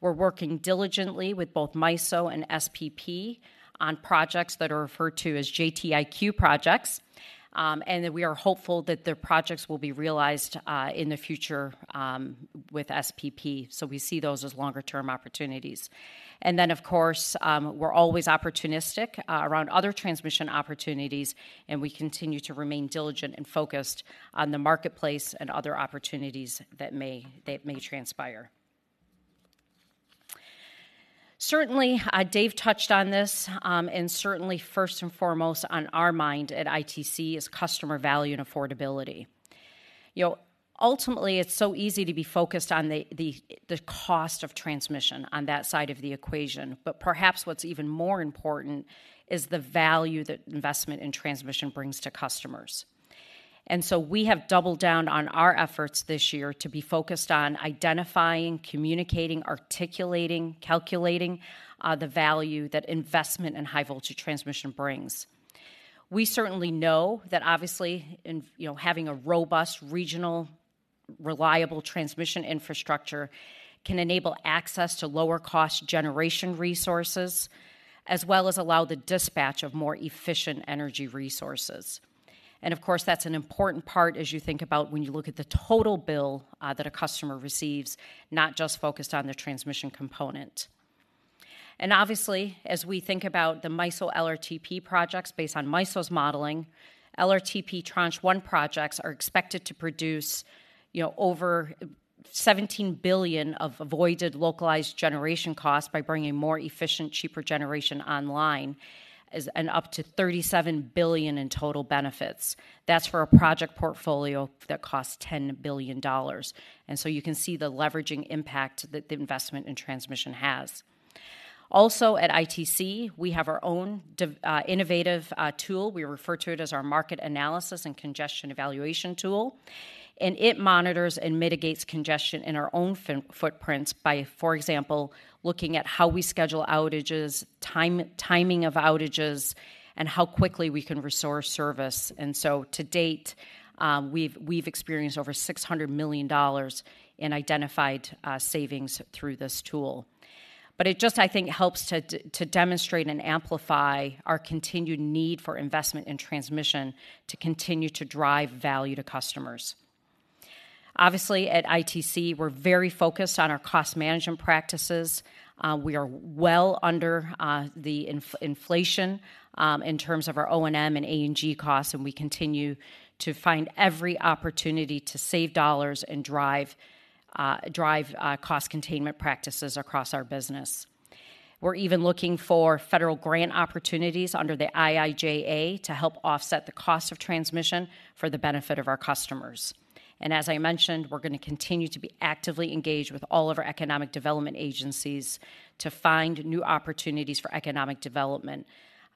We're working diligently with both MISO and SPP on projects that are referred to as JTIQ projects, and that we are hopeful that the projects will be realized in the future with SPP. So we see those as longer-term opportunities. And then, of course, we're always opportunistic around other transmission opportunities, and we continue to remain diligent and focused on the marketplace and other opportunities that may transpire. Certainly, Dave touched on this, and certainly first and foremost on our mind at ITC is customer value and affordability. You know, ultimately, it's so easy to be focused on the cost of transmission on that side of the equation. But perhaps what's even more important is the value that investment in transmission brings to customers. And so we have doubled down on our efforts this year to be focused on identifying, communicating, articulating, calculating, the value that investment in high-voltage transmission brings. We certainly know that obviously in, you know, having a robust, regional, reliable transmission infrastructure can enable access to lower-cost generation resources, as well as allow the dispatch of more efficient energy resources. And of course, that's an important part as you think about when you look at the total bill, that a customer receives, not just focused on the transmission component. And obviously, as we think about the MISO LRTP projects, based on MISO's modeling, LRTP Tranche 1 projects are expected to produce, you know, over $17 billion of avoided localized generation costs by bringing more efficient, cheaper generation online, and up to $37 billion in total benefits. That's for a project portfolio that costs $10 billion, and so you can see the leveraging impact that the investment in transmission has. Also at ITC, we have our own innovative tool. We refer to it as our Market Analysis and Congestion Evaluation tool, and it monitors and mitigates congestion in our own footprints by, for example, looking at how we schedule outages, timing of outages, and how quickly we can restore service. So to date, we've experienced over $600 million in identified savings through this tool. But it just, I think, helps to demonstrate and amplify our continued need for investment in transmission to continue to drive value to customers. Obviously, at ITC, we're very focused on our cost management practices. We are well under the inflation in terms of our O&M and A&G costs, and we continue to find every opportunity to save dollars and drive cost containment practices across our business. We're even looking for federal grant opportunities under the IIJA to help offset the cost of transmission for the benefit of our customers. As I mentioned, we're gonna continue to be actively engaged with all of our economic development agencies to find new opportunities for economic development.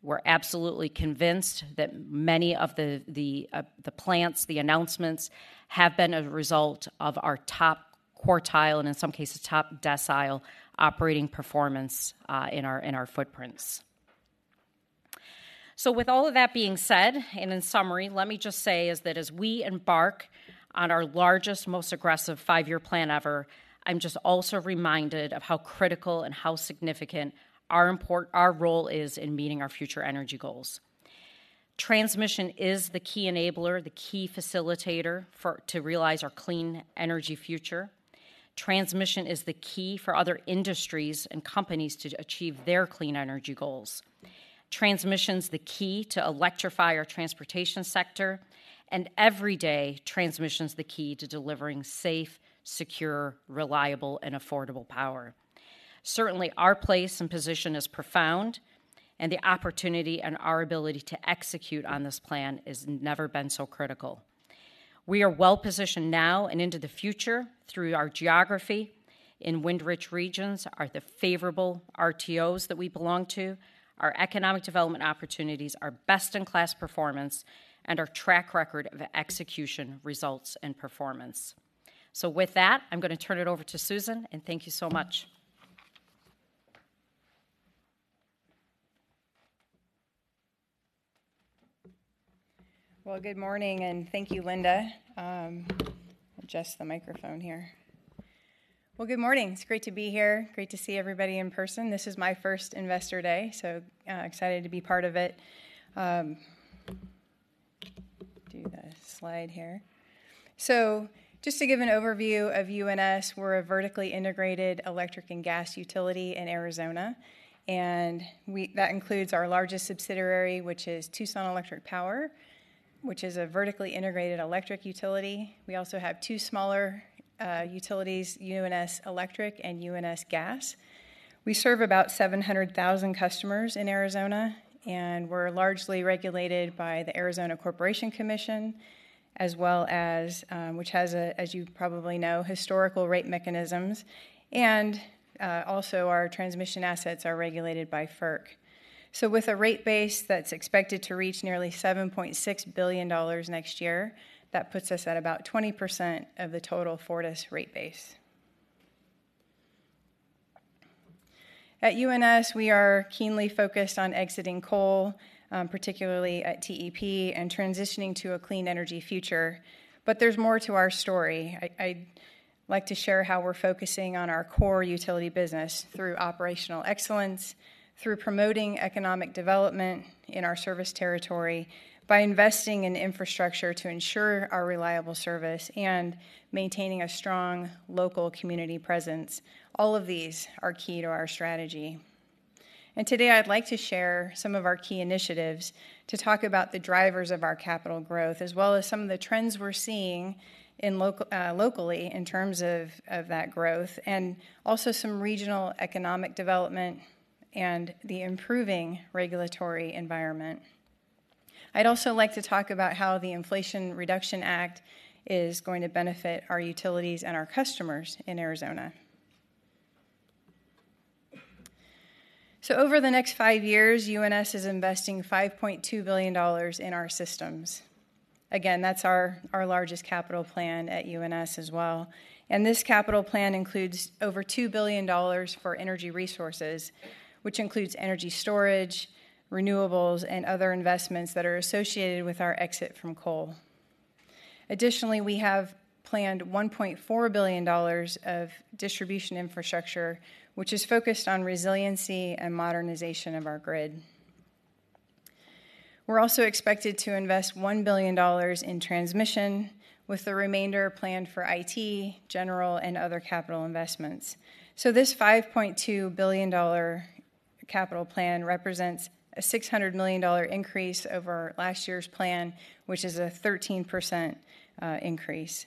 We're absolutely convinced that many of the plants, the announcements have been a result of our top quartile, and in some cases, top decile, operating performance in our footprints. So with all of that being said, and in summary, let me just say is that as we embark on our largest, most aggressive five-year plan ever, I'm just also reminded of how critical and how significant our role is in meeting our future energy goals. Transmission is the key enabler, the key facilitator to realize our clean energy future. Transmission is the key for other industries and companies to achieve their clean energy goals. Transmission's the key to electrify our transportation sector, and every day, transmission's the key to delivering safe, secure, reliable, and affordable power. Certainly, our place and position is profound, and the opportunity and our ability to execute on this plan has never been so critical. We are well-positioned now and into the future through our geography in wind-rich regions, are the favorable RTOs that we belong to, our economic development opportunities, our best-in-class performance, and our track record of execution, results, and performance. So with that, I'm gonna turn it over to Susan, and thank you so much. Well, good morning, and thank you, Linda. Adjust the microphone here. Well, good morning. It's great to be here. Great to see everybody in person. This is my first Investor Day, so excited to be part of it. Do the slide here. So just to give an overview of UNS, we're a vertically integrated electric and gas utility in Arizona, and that includes our largest subsidiary, which is Tucson Electric Power, which is a vertically integrated electric utility. We also have two smaller utilities, UNS Electric and UNS Gas. We serve about 700,000 customers in Arizona, and we're largely regulated by the Arizona Corporation Commission, as well as which has, as you probably know, historical rate mechanisms. Also, our transmission assets are regulated by FERC. So with a rate base that's expected to reach nearly $7.6 billion next year, that puts us at about 20% of the total Fortis rate base. At UNS, we are keenly focused on exiting coal, particularly at TEP, and transitioning to a clean energy future. But there's more to our story. I'd like to share how we're focusing on our core utility business through operational excellence, through promoting economic development in our service territory, by investing in infrastructure to ensure our reliable service, and maintaining a strong local community presence. All of these are key to our strategy. Today, I'd like to share some of our key initiatives to talk about the drivers of our capital growth, as well as some of the trends we're seeing locally in terms of, of that growth, and also some regional economic development and the improving regulatory environment. I'd also like to talk about how the Inflation Reduction Act is going to benefit our utilities and our customers in Arizona. Over the next five years, UNS is investing $5.2 billion in our systems. Again, that's our, our largest capital plan at UNS as well. This capital plan includes over $2 billion for energy resources, which includes energy storage, renewables, and other investments that are associated with our exit from coal. Additionally, we have planned $1.4 billion of distribution infrastructure, which is focused on resiliency and modernization of our grid. We're also expected to invest 1 billion dollars in transmission, with the remainder planned for IT, general, and other capital investments. So this 5.2 billion dollar capital plan represents a 600 million dollar increase over last year's plan, which is a 13% increase.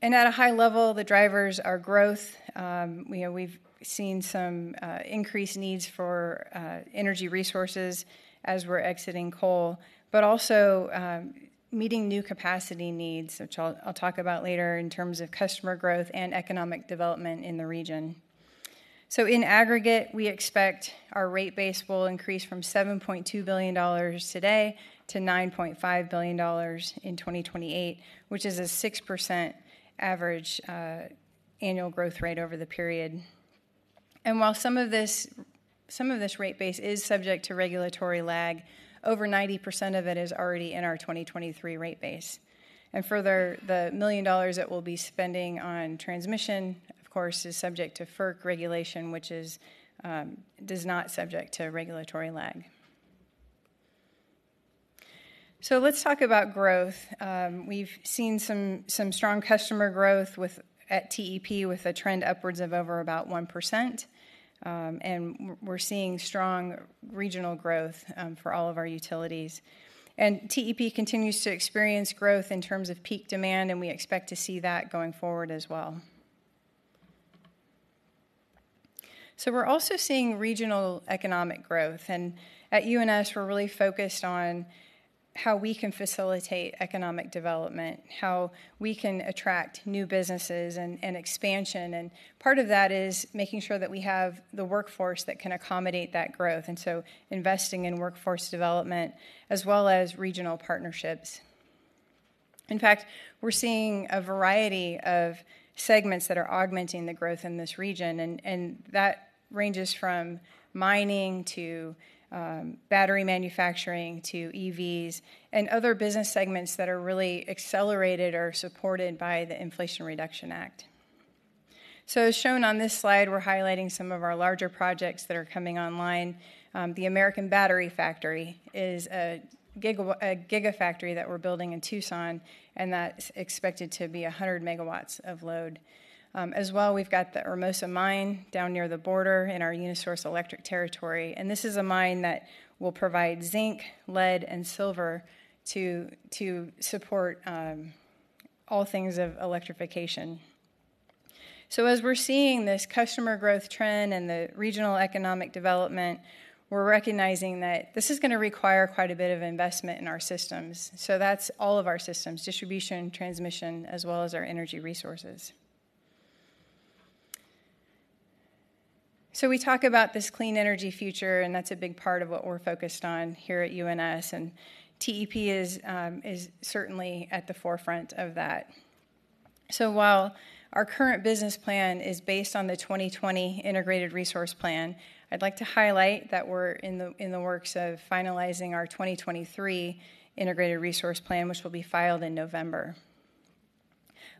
And at a high level, the drivers are growth. We know we've seen some increased needs for energy resources as we're exiting coal, but also meeting new capacity needs, which I'll, I'll talk about later in terms of customer growth and economic development in the region. So in aggregate, we expect our rate base will increase from 7.2 billion dollars today to 9.5 billion dollars in 2028, which is a 6% average annual growth rate over the period. While some of this rate base is subject to regulatory lag, over 90% of it is already in our 2023 rate base. Further, the $1 million that we'll be spending on transmission, of course, is subject to FERC regulation, which is not subject to regulatory lag. Let's talk about growth. We've seen some strong customer growth at TEP, with a trend upwards of over about 1%, and we're seeing strong regional growth for all of our utilities. TEP continues to experience growth in terms of peak demand, and we expect to see that going forward as well. We're also seeing regional economic growth, and at UNS, we're really focused on how we can facilitate economic development, how we can attract new businesses and expansion. Part of that is making sure that we have the workforce that can accommodate that growth, and so investing in workforce development as well as regional partnerships. In fact, we're seeing a variety of segments that are augmenting the growth in this region, and that ranges from mining to battery manufacturing, to EVs, and other business segments that are really accelerated or supported by the Inflation Reduction Act. So as shown on this slide, we're highlighting some of our larger projects that are coming online. The American Battery Factory is a gigafactory that we're building in Tucson, and that's expected to be 100 megawatts of load. As well, we've got the Hermosa Mine down near the border in our UniSource Electric territory, and this is a mine that will provide zinc, lead, and silver to support all things of electrification. So as we're seeing this customer growth trend and the regional economic development, we're recognizing that this is gonna require quite a bit of investment in our systems. So that's all of our systems: distribution, transmission, as well as our energy resources. So we talk about this clean energy future, and that's a big part of what we're focused on here at UNS, and TEP is certainly at the forefront of that. So while our current business plan is based on the 2020 Integrated Resource Plan, I'd like to highlight that we're in the works of finalizing our 2023 Integrated Resource Plan, which will be filed in November.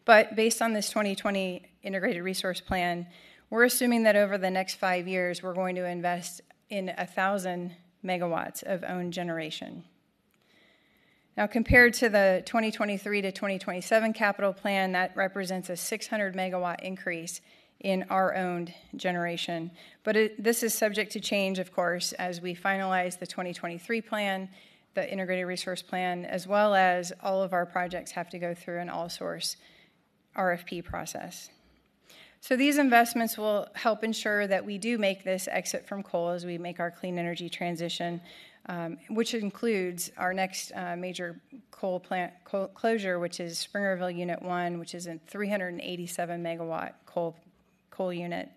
But based on this 2020 Integrated Resource Plan, we're assuming that over the next five years, we're going to invest in 1,000 MW of owned generation. Now, compared to the 2023 to 2027 capital plan, that represents a 600-MW increase in our owned generation. But this is subject to change, of course, as we finalize the 2023 plan, the Integrated Resource Plan, as well as all of our projects have to go through an all-source RFP process. So these investments will help ensure that we do make this exit from coal as we make our clean energy transition, which includes our next major coal plant closure, which is Springerville Unit 1, which is a 387-MW coal unit,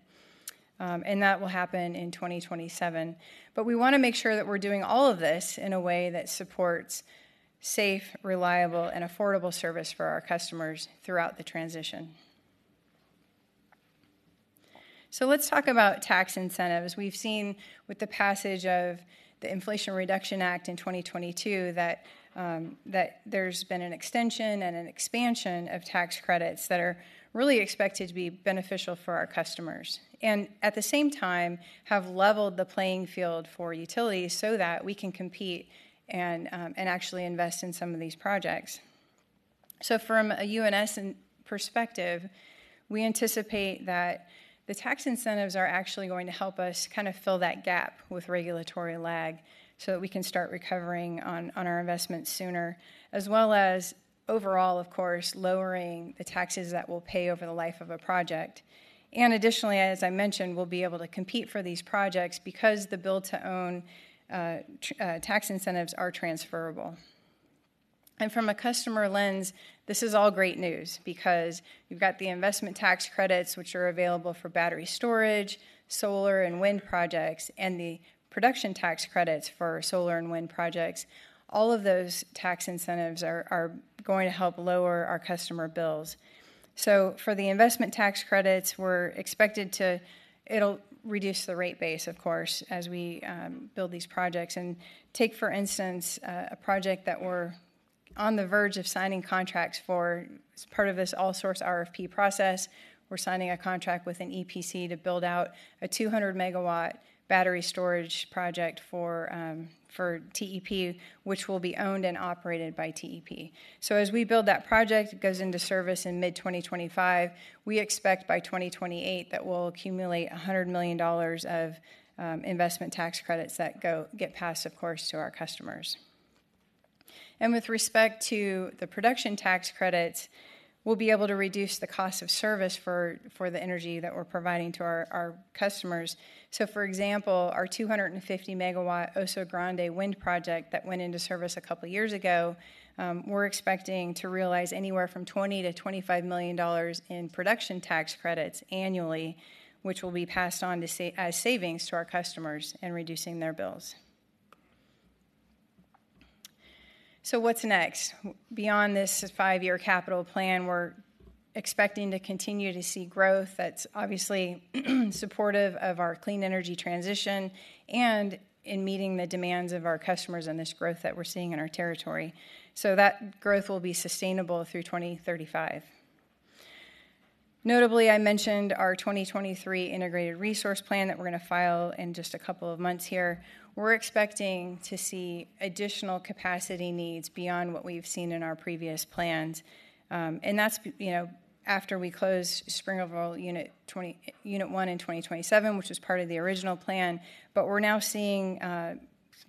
and that will happen in 2027. But we wanna make sure that we're doing all of this in a way that supports safe, reliable, and affordable service for our customers throughout the transition. So let's talk about tax incentives. We've seen with the passage of the Inflation Reduction Act in 2022, that there's been an extension and an expansion of tax credits that are really expected to be beneficial for our customers, and at the same time, have leveled the playing field for utilities so that we can compete and actually invest in some of these projects. So from a UNS perspective, we anticipate that the tax incentives are actually going to help us kind of fill that gap with regulatory lag, so that we can start recovering on our investments sooner, as well as overall, of course, lowering the taxes that we'll pay over the life of a project. Additionally, as I mentioned, we'll be able to compete for these projects because the build-to-own tax incentives are transferable. From a customer lens, this is all great news because you've got the investment tax credits, which are available for battery storage, solar and wind projects, and the production tax credits for solar and wind projects. All of those tax incentives are going to help lower our customer bills. For the investment tax credits, we're expected to—it'll reduce the rate base, of course, as we build these projects. Take, for instance, a project that we're on the verge of signing contracts for. As part of this all source RFP process, we're signing a contract with an EPC to build out a 200 MW battery storage project for TEP, which will be owned and operated by TEP. As we build that project, it goes into service in mid-2025. We expect by 2028 that we'll accumulate $100 million of investment tax credits that get passed, of course, to our customers. And with respect to the production tax credits, we'll be able to reduce the cost of service for the energy that we're providing to our customers. So, for example, our 250-MW Oso Grande Wind Project that went into service a couple of years ago, we're expecting to realize anywhere from $20 million-$25 million in production tax credits annually, which will be passed on as savings to our customers in reducing their bills. So what's next? Beyond this five-year capital plan, we're expecting to continue to see growth that's obviously supportive of our clean energy transition, and in meeting the demands of our customers and this growth that we're seeing in our territory. So that growth will be sustainable through 2035. Notably, I mentioned our 2023 Integrated Resource Plan that we're gonna file in just a couple of months here. We're expecting to see additional capacity needs beyond what we've seen in our previous plans. And that's, you know, after we close Springerville Unit 1 in 2027, which is part of the original plan, but we're now seeing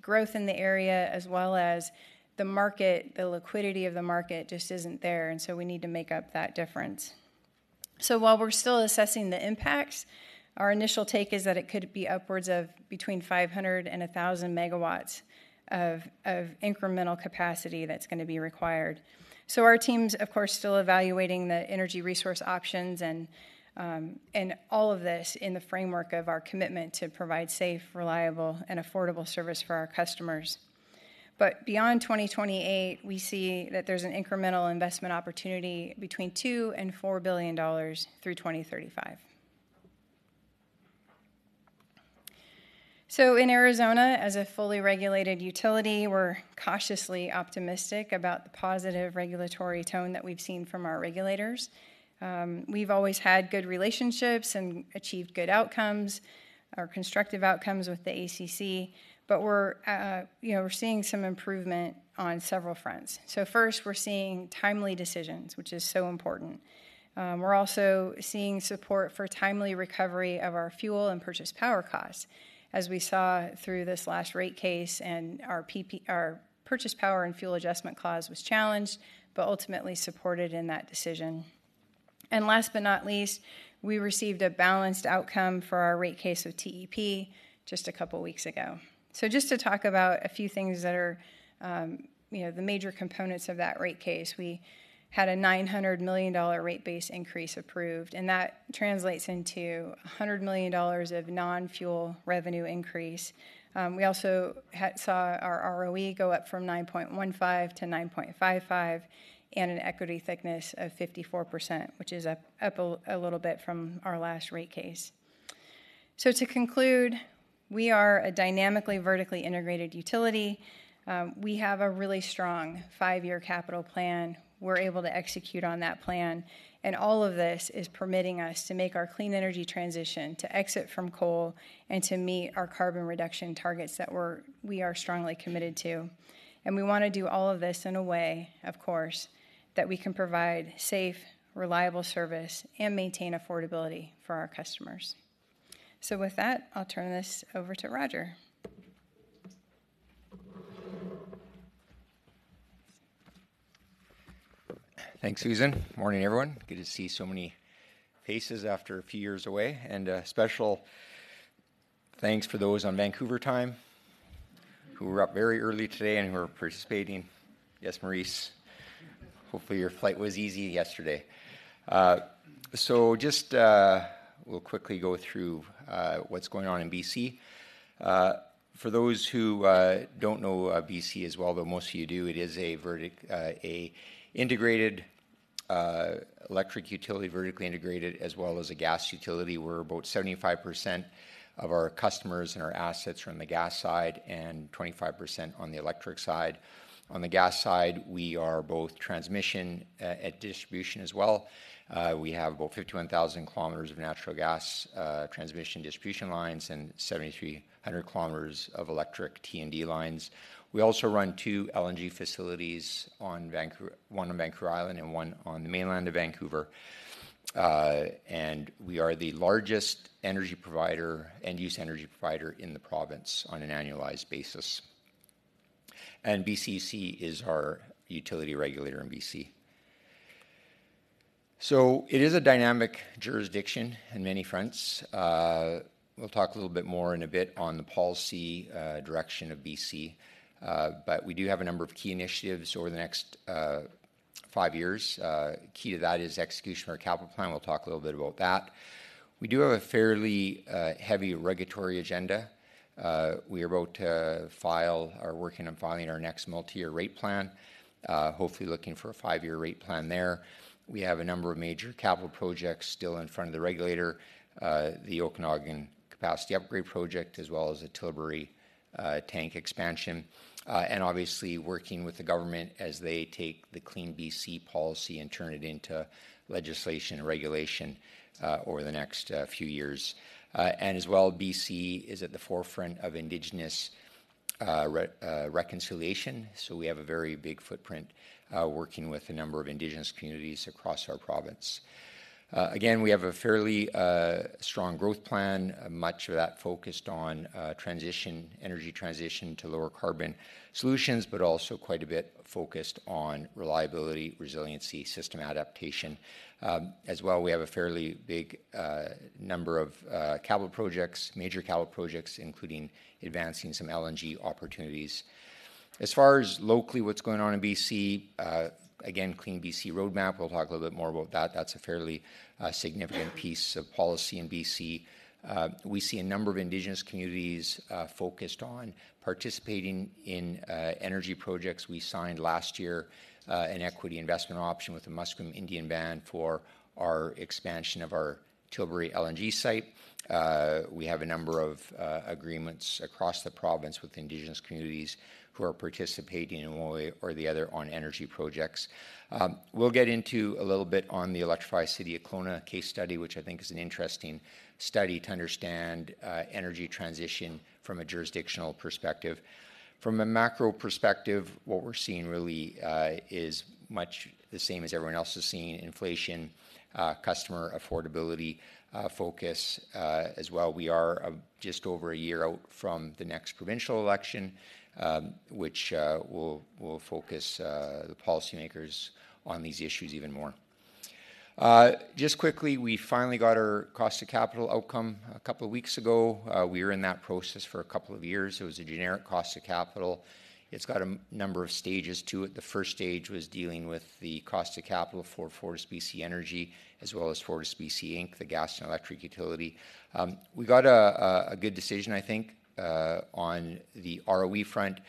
growth in the area as well as the market, the liquidity of the market just isn't there, and so we need to make up that difference. So while we're still assessing the impacts, our initial take is that it could be upwards of between 500 and 1,000 megawatts of incremental capacity that's gonna be required. Our team's, of course, still evaluating the energy resource options and all of this in the framework of our commitment to provide safe, reliable, and affordable service for our customers. But beyond 2028, we see that there's an incremental investment opportunity between $2 billion and $4 billion through 2035. So in Arizona, as a fully regulated utility, we're cautiously optimistic about the positive regulatory tone that we've seen from our regulators. We've always had good relationships and achieved good outcomes or constructive outcomes with the ACC, but we're, you know, we're seeing some improvement on several fronts. So first, we're seeing timely decisions, which is so important. We're also seeing support for timely recovery of our fuel and purchase power costs, as we saw through this last rate case and our purchase power and fuel adjustment clause was challenged, but ultimately supported in that decision. Last but not least, we received a balanced outcome for our rate case with TEP just a couple weeks ago. So just to talk about a few things that are, you know, the major components of that rate case, we had a $900 million rate base increase approved, and that translates into a $100 million of non-fuel revenue increase. We also saw our ROE go up from 9.15% to 9.55%, and an equity thickness of 54%, which is up a little bit from our last rate case. So to conclude, we are a dynamically, vertically integrated utility. We have a really strong five-year capital plan. We're able to execute on that plan, and all of this is permitting us to make our clean energy transition, to exit from coal, and to meet our carbon reduction targets that we are strongly committed to. And we wanna do all of this in a way, of course, that we can provide safe, reliable service, and maintain affordability for our customers. So with that, I'll turn this over to Roger. Thanks, Susan. Morning, everyone. Good to see so many faces after a few years away, and, special thanks for those on Vancouver time. Who were up very early today and who are participating. Yes, Maurice, hopefully your flight was easy yesterday. So just, we'll quickly go through what's going on in BC. For those who don't know BC as well, though most of you do, it is a vertically integrated electric utility, as well as a gas utility, where about 75% of our customers and our assets are on the gas side and 25% on the electric side. On the gas side, we are both transmission and distribution as well. We have about 51,000 kilometers of natural gas transmission distribution lines and 7,300 kilometers of electric T&D lines. We also run two LNG facilities on Vancouver—one on Vancouver Island and one on the mainland of Vancouver. And we are the largest energy provider, end-use energy provider in the province on an annualized basis. BCUC is our utility regulator in BC. So it is a dynamic jurisdiction on many fronts. We'll talk a little bit more in a bit on the policy direction of BC, but we do have a number of key initiatives over the next five years. Key to that is execution of our capital plan. We'll talk a little bit about that. We do have a fairly heavy regulatory agenda. We are working on filing our next multi-year rate plan, hopefully looking for a five-year rate plan there. We have a number of major capital projects still in front of the regulator, the Okanagan Capacity Upgrade Project, as well as the Tilbury tank expansion, and obviously working with the government as they take the CleanBC policy and turn it into legislation and regulation over the next few years. And as well, BC is at the forefront of indigenous reconciliation, so we have a very big footprint working with a number of indigenous communities across our province. Again, we have a fairly strong growth plan, much of that focused on transition, energy transition to lower carbon solutions, but also quite a bit focused on reliability, resiliency, system adaptation. As well, we have a fairly big number of capital projects, major capital projects, including advancing some LNG opportunities. As far as locally, what's going on in BC, again, CleanBC Roadmap, we'll talk a little bit more about that. That's a fairly, significant piece of policy in BC. We see a number of indigenous communities, focused on participating in, energy projects. We signed last year, an equity investment option with the Musqueam Indian Band for our expansion of our Tilbury LNG site. We have a number of, agreements across the province with indigenous communities who are participating in one way or the other on energy projects. We'll get into a little bit on the Electrify City of Kelowna case study, which I think is an interesting study to understand, energy transition from a jurisdictional perspective. From a macro perspective, what we're seeing really, is much the same as everyone else is seeing: inflation, customer affordability, focus. As well, we are just over a year out from the next provincial election, which will focus the policymakers on these issues even more. Just quickly, we finally got our cost of capital outcome a couple of weeks ago. We were in that process for a couple of years. It was a generic cost of capital. It's got a number of stages to it. The first stage was dealing with the cost of capital for FortisBC Energy, as well as FortisBC Inc., the gas and electric utility. We got a good decision, I think, on the ROE front,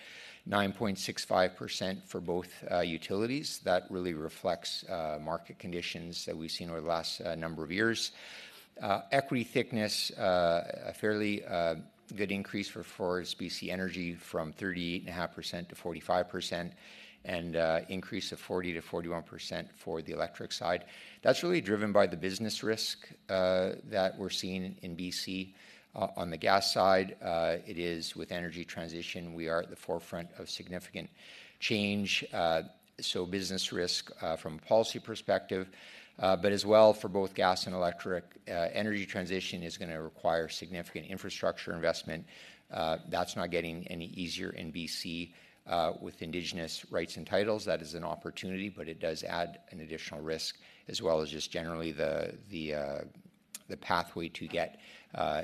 9.65% for both utilities. That really reflects market conditions that we've seen over the last number of years. Equity thickness, a fairly good increase for FortisBC from 38.5% to 45%, and increase of 40%-41% for the electric side. That's really driven by the business risk that we're seeing in BC. On the gas side, it is with energy transition, we are at the forefront of significant change, so business risk from a policy perspective. But as well, for both gas and electric, energy transition is gonna require significant infrastructure investment. That's not getting any easier in BC, with indigenous rights and titles. That is an opportunity, but it does add an additional risk, as well as just generally the pathway to get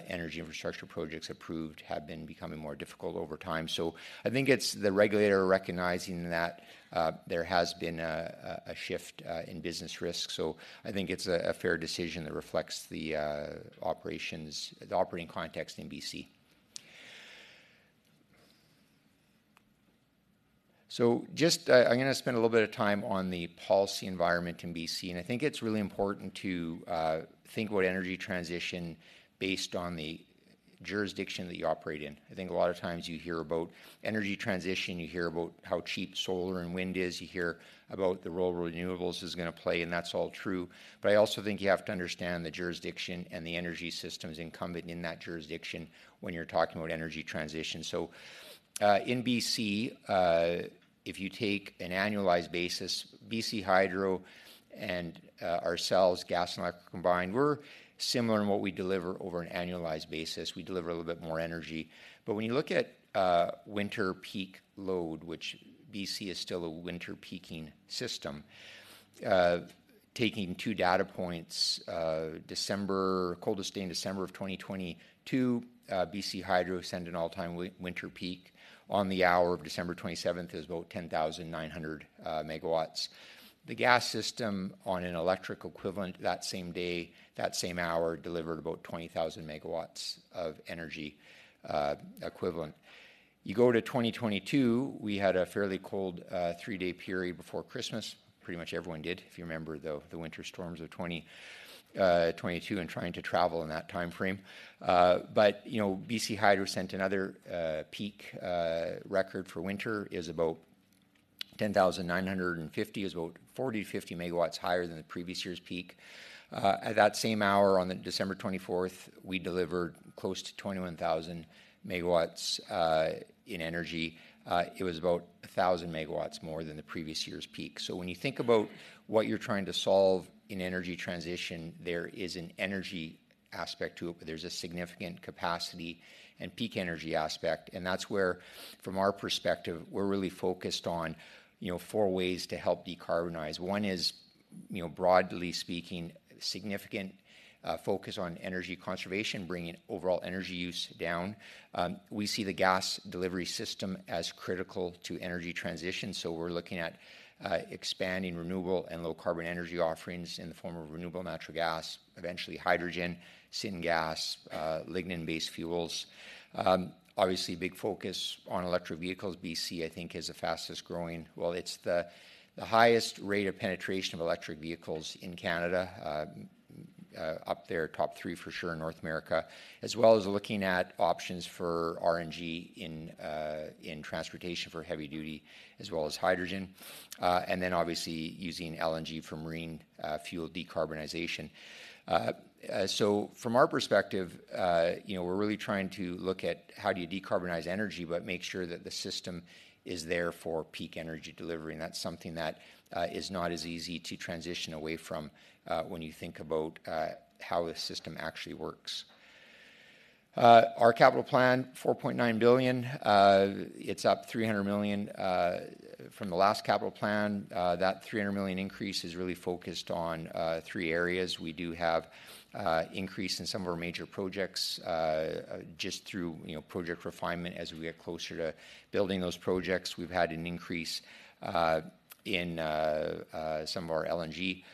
energy infrastructure projects approved have been becoming more difficult over time. So I think it's the regulator recognizing that there has been a shift in business risk, so I think it's a fair decision that reflects the operations, the operating context in BC. So just I'm gonna spend a little bit of time on the policy environment in BC, and I think it's really important to think about energy transition based on the jurisdiction that you operate in. I think a lot of times you hear about energy transition, you hear about how cheap solar and wind is, you hear about the role renewables is gonna play, and that's all true. But I also think you have to understand the jurisdiction and the energy systems incumbent in that jurisdiction when you're talking about energy transition. So, in BC, if you take an annualized basis, BC Hydro and ourselves, gas and electric combined, we're similar in what we deliver over an annualized basis. We deliver a little bit more energy. But when you look at winter peak load, which BC is still a winter peaking system, taking two data points, December, coldest day in December of 2022, BC Hydro set an all-time winter peak on the hour of December 27,th it was about 10,900 megawatts. The gas system on an electric equivalent that same day, that same hour, delivered about 20,000 megawatts of energy equivalent. You go to 2022, we had a fairly cold three-day period before Christmas. Pretty much everyone did, if you remember the winter storms of 2022 and trying to travel in that time frame. But, you know, BC Hydro set another peak record for winter. It was about 10,950 megawatts. It was about 40 megawatts-50 megawatts higher than the previous year's peak. At that same hour on December 24th, we delivered close to 21,000 megawatts in energy. It was about 1,000 megawatts more than the previous year's peak. So when you think about what you're trying to solve in energy transition, there is an energy aspect to it, but there's a significant capacity and peak energy aspect. That's where, from our perspective, we're really focused on, you know, four ways to help decarbonize. One is, you know, broadly speaking, significant focus on energy conservation, bringing overall energy use down. We see the gas delivery system as critical to energy transition, so we're looking at expanding renewable and low-carbon energy offerings in the form of renewable natural gas, eventually hydrogen, syngas, lignin-based fuels. Obviously, a big focus on electric vehicles. BC, I think, is the fastest-growing... well, it's the highest rate of penetration of electric vehicles in Canada, up there, top three for sure in North America, as well as looking at options for RNG in transportation for heavy duty, as well as hydrogen, and then obviously, using LNG for marine fuel decarbonization. So from our perspective, you know, we're really trying to look at how do you decarbonize energy, but make sure that the system is there for peak energy delivery, and that's something that is not as easy to transition away from when you think about how the system actually works. Our capital plan, 4.9 billion. It's up 300 million from the last capital plan. That 300 million increase is really focused on three areas. We do have increase in some of our major projects just through, you know, project refinement as we get closer to building those projects. We've had an increase in some of our LNG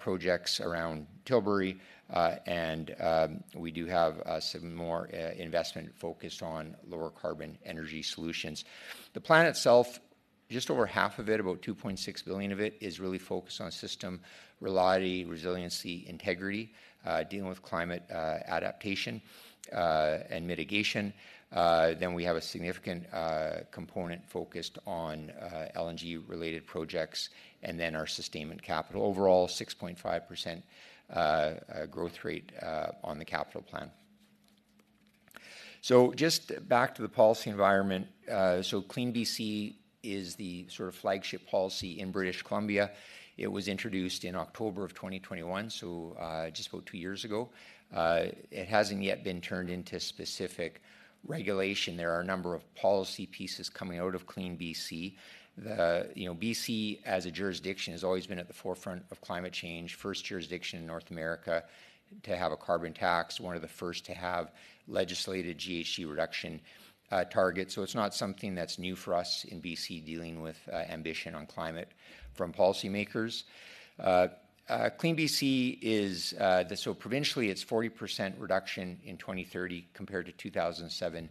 projects around Tilbury, and we do have some more investment focused on lower carbon energy solutions. The plan itself, just over half of it, about 2.6 billion of it, is really focused on system reliability, resiliency, integrity, dealing with climate, adaptation, and mitigation. Then we have a significant component focused on LNG-related projects and then our sustainment capital. Overall, 6.5% growth rate on the capital plan. So just back to the policy environment. So CleanBC is the sort of flagship policy in British Columbia. It was introduced in October 2021, so just about two years ago. It hasn't yet been turned into specific regulation. There are a number of policy pieces coming out of CleanBC. You know, BC, as a jurisdiction, has always been at the forefront of climate change, first jurisdiction in North America to have a carbon tax, one of the first to have legislated GHG reduction targets. So it's not something that's new for us in BC dealing with ambition on climate from policymakers. CleanBC is the so provincially, it's 40% reduction in 2030 compared to 2007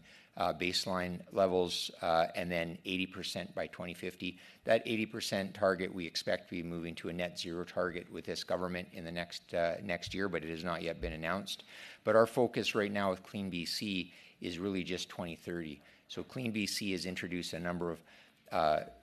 baseline levels, and then 80% by 2050. That 80% target, we expect to be moving to a net zero target with this government in the next year, but it has not yet been announced. But our focus right now with CleanBC is really just 2030. So CleanBC has introduced a number of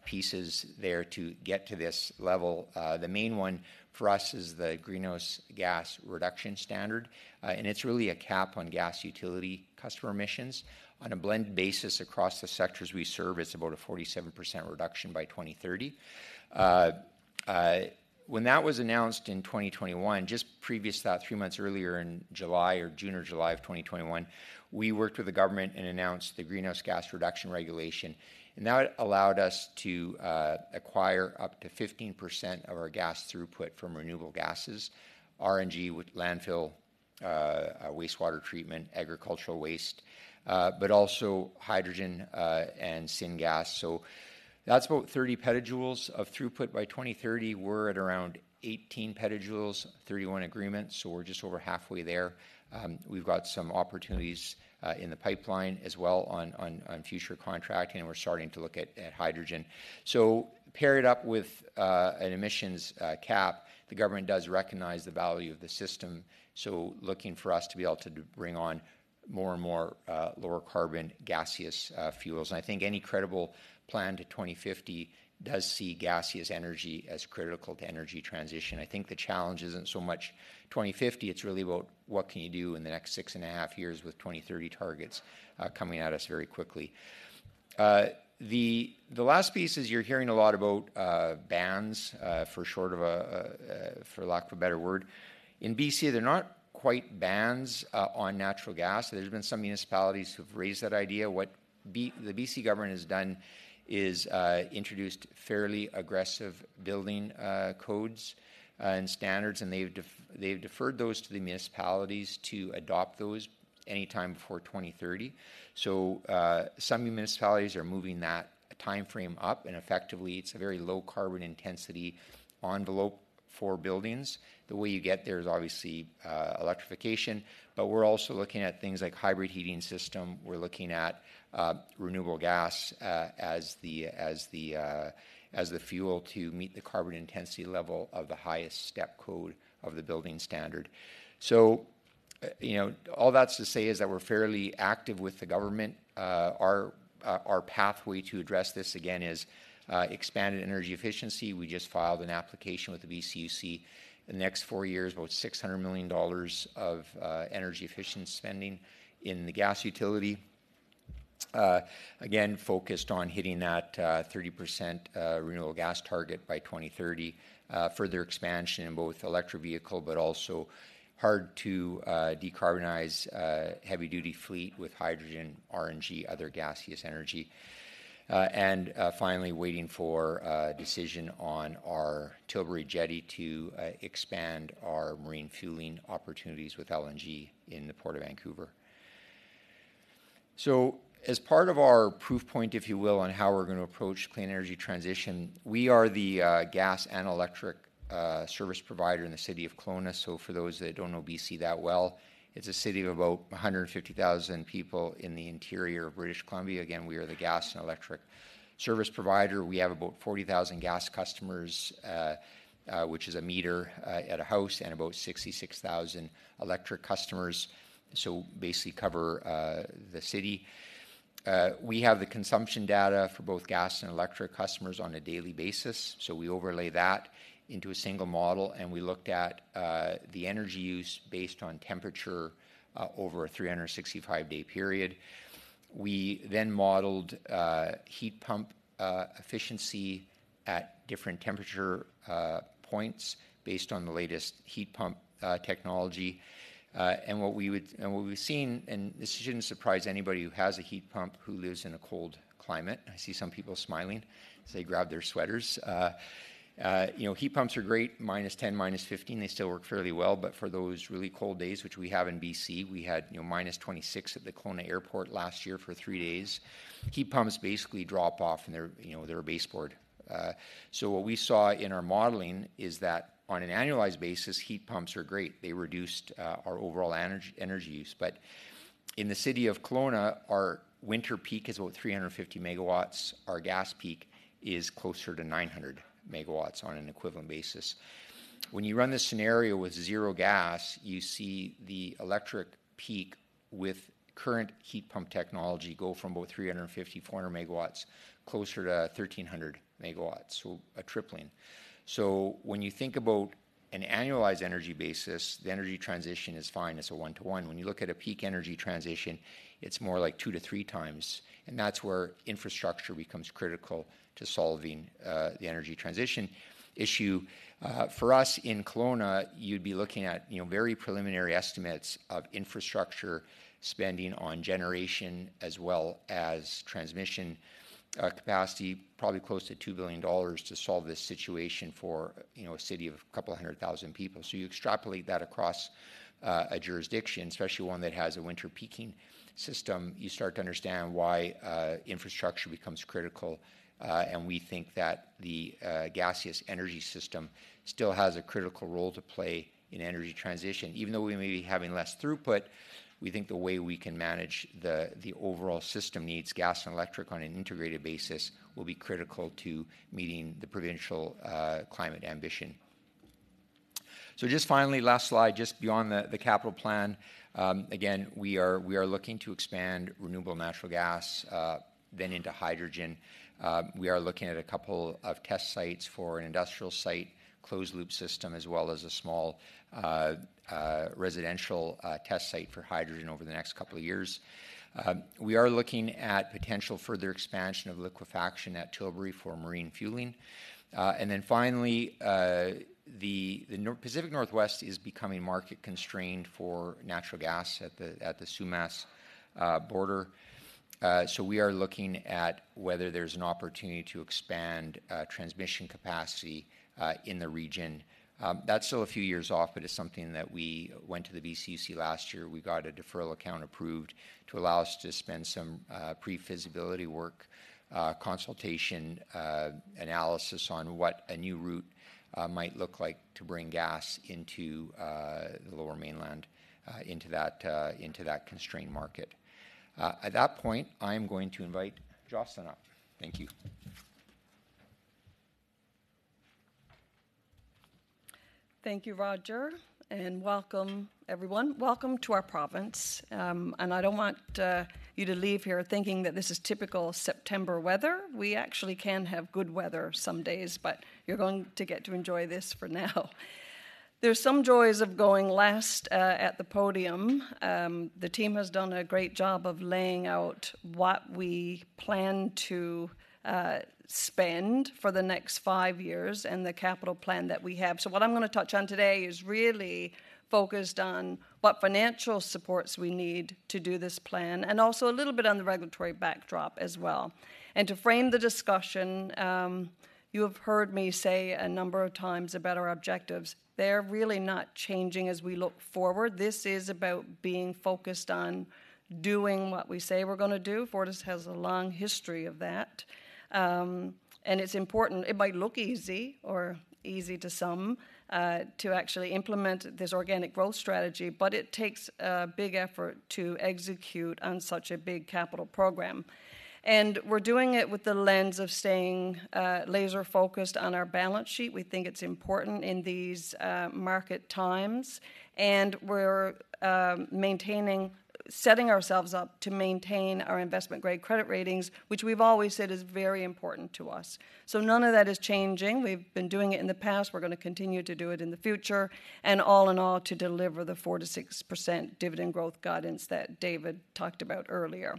pieces there to get to this level. The main one for us is the Greenhouse Gas Reduction Standard, and it's really a cap on gas utility customer emissions. On a blend basis across the sectors we serve, it's about a 47% reduction by 2030. When that was announced in 2021, just previous to that, three months earlier in July or June or July of 2021, we worked with the government and announced the Greenhouse Gas Reduction Regulation, and that allowed us to acquire up to 15% of our gas throughput from renewable gases, RNG with landfill, wastewater treatment, agricultural waste, but also hydrogen, and syngas. So that's about 30 petajoules of throughput. By 2030, we're at around 18 petajoules, 31 agreements, so we're just over halfway there. We've got some opportunities in the pipeline as well on future contracting, and we're starting to look at hydrogen. So paired up with an emissions cap, the government does recognize the value of the system, so looking for us to be able to bring on more and more lower carbon gaseous fuels. And I think any credible plan to 2050 does see gaseous energy as critical to energy transition. I think the challenge isn't so much 2050, it's really about what can you do in the next 6.5 years with 2030 targets coming at us very quickly. The last piece is you're hearing a lot about bans, for lack of a better word. In BC, they're not quite bans on natural gas. There's been some municipalities who've raised that idea. What the BC government has done is introduced fairly aggressive building codes and standards, and they've deferred those to the municipalities to adopt those anytime before 2030. Some municipalities are moving that timeframe up, and effectively, it's a very low carbon intensity envelope for buildings. The way you get there is obviously electrification, but we're also looking at things like hybrid heating system. We're looking at renewable gas as the fuel to meet the carbon intensity level of the highest Step Code of the building standard. All that's to say is that we're fairly active with the government. Our pathway to address this again is expanded energy efficiency. We just filed an application with the BCUC. The next four years, about 600 million dollars of energy efficiency spending in the gas utility. Again, focused on hitting that 30% renewable gas target by 2030. Further expansion in both electric vehicle, but also hard to decarbonize heavy-duty fleet with hydrogen, RNG, other gaseous energy. And finally, waiting for a decision on our Tilbury Jetty to expand our marine fueling opportunities with LNG in the Port of Vancouver. So as part of our proof point, if you will, on how we're going to approach clean energy transition, we are the gas and electric service provider in the city of Kelowna. So for those that don't know BC that well, it's a city of about 150,000 people in the interior of British Columbia. Again, we are the gas and electric service provider. We have about 40,000 gas customers, which is a meter at a house, and about 66,000 electric customers. So basically cover the city. We have the consumption data for both gas and electric customers on a daily basis, so we overlay that into a single model, and we looked at the energy use based on temperature over a 365-day period. We then modelled heat pump efficiency at different temperature points based on the latest heat pump technology. And what we've seen, and this shouldn't surprise anybody who has a heat pump who lives in a cold climate. I see some people smiling as they grab their sweaters. You know, heat pumps are great, -10 degrees, -15 degrees, they still work fairly well. But for those really cold days, which we have in BC., we had, you know, -26 degrees Celsius at the Kelowna Airport last year for three days. Heat pumps basically drop off, and they're, you know, they're a baseboard. So what we saw in our modeling is that on an annualized basis, heat pumps are great. They reduced our overall energy use. But in the city of Kelowna, our winter peak is about 350 megawatts. Our gas peak is closer to 900 megawatts on an equivalent basis. When you run this scenario with zero gas, you see the electric peak with current heat pump technology go from about 350 megawatts-400 megawatts closer to 1,300 megawatts, so a tripling. So when you think about an annualized energy basis, the energy transition is fine. It's a one-to-one. When you look at a peak energy transition, it's more like 2x-3x, and that's where infrastructure becomes critical to solving the energy transition issue. For us in Kelowna, you'd be looking at, you know, very preliminary estimates of infrastructure spending on generation, as well as transmission capacity, probably close to 2 billion dollars to solve this situation for, you know, a city of a couple hundred thousand people. So you extrapolate that across a jurisdiction, especially one that has a winter peaking system, you start to understand why infrastructure becomes critical. And we think that the gaseous energy system still has a critical role to play in energy transition. Even though we may be having less throughput, we think the way we can manage the overall system needs, gas and electric, on an integrated basis, will be critical to meeting the provincial climate ambition. So just finally, last slide, just beyond the capital plan. Again, we are looking to expand renewable natural gas, then into hydrogen. We are looking at a couple of test sites for an industrial site, closed-loop system, as well as a small residential test site for hydrogen over the next couple of years. We are looking at potential further expansion of liquefaction at Tilbury for marine fueling. And then finally, the Pacific Northwest is becoming market-constrained for natural gas at the Sumas border. So we are looking at whether there's an opportunity to expand transmission capacity in the region. That's still a few years off, but it's something that we went to the BCUC last year. We got a deferral account approved to allow us to spend some pre-feasibility work, consultation, analysis on what a new route might look like to bring gas into the Lower Mainland, into that constrained market. At that point, I'm going to invite Jocelyn up. Thank you. Thank you, Roger, and welcome, everyone. Welcome to our province, and I don't want you to leave here thinking that this is typical September weather. We actually can have good weather some days, but you're going to get to enjoy this for now. There's some joys of going last at the podium. The team has done a great job of laying out what we plan to spend for the next five years and the capital plan that we have. So what I'm gonna touch on today is really focused on what financial supports we need to do this plan, and also a little bit on the regulatory backdrop as well. And to frame the discussion, you have heard me say a number of times about our objectives. They're really not changing as we look forward. This is about being focused on doing what we say we're gonna do. Fortis has a long history of that. It's important. It might look easy, or easy to some, to actually implement this organic growth strategy, but it takes a big effort to execute on such a big capital program. We're doing it with the lens of staying laser-focused on our balance sheet. We think it's important in these market times, and we're setting ourselves up to maintain our investment-grade credit ratings, which we've always said is very important to us. None of that is changing. We've been doing it in the past, we're gonna continue to do it in the future, and all in all, to deliver the 4%-6% dividend growth guidance that David talked about earlier.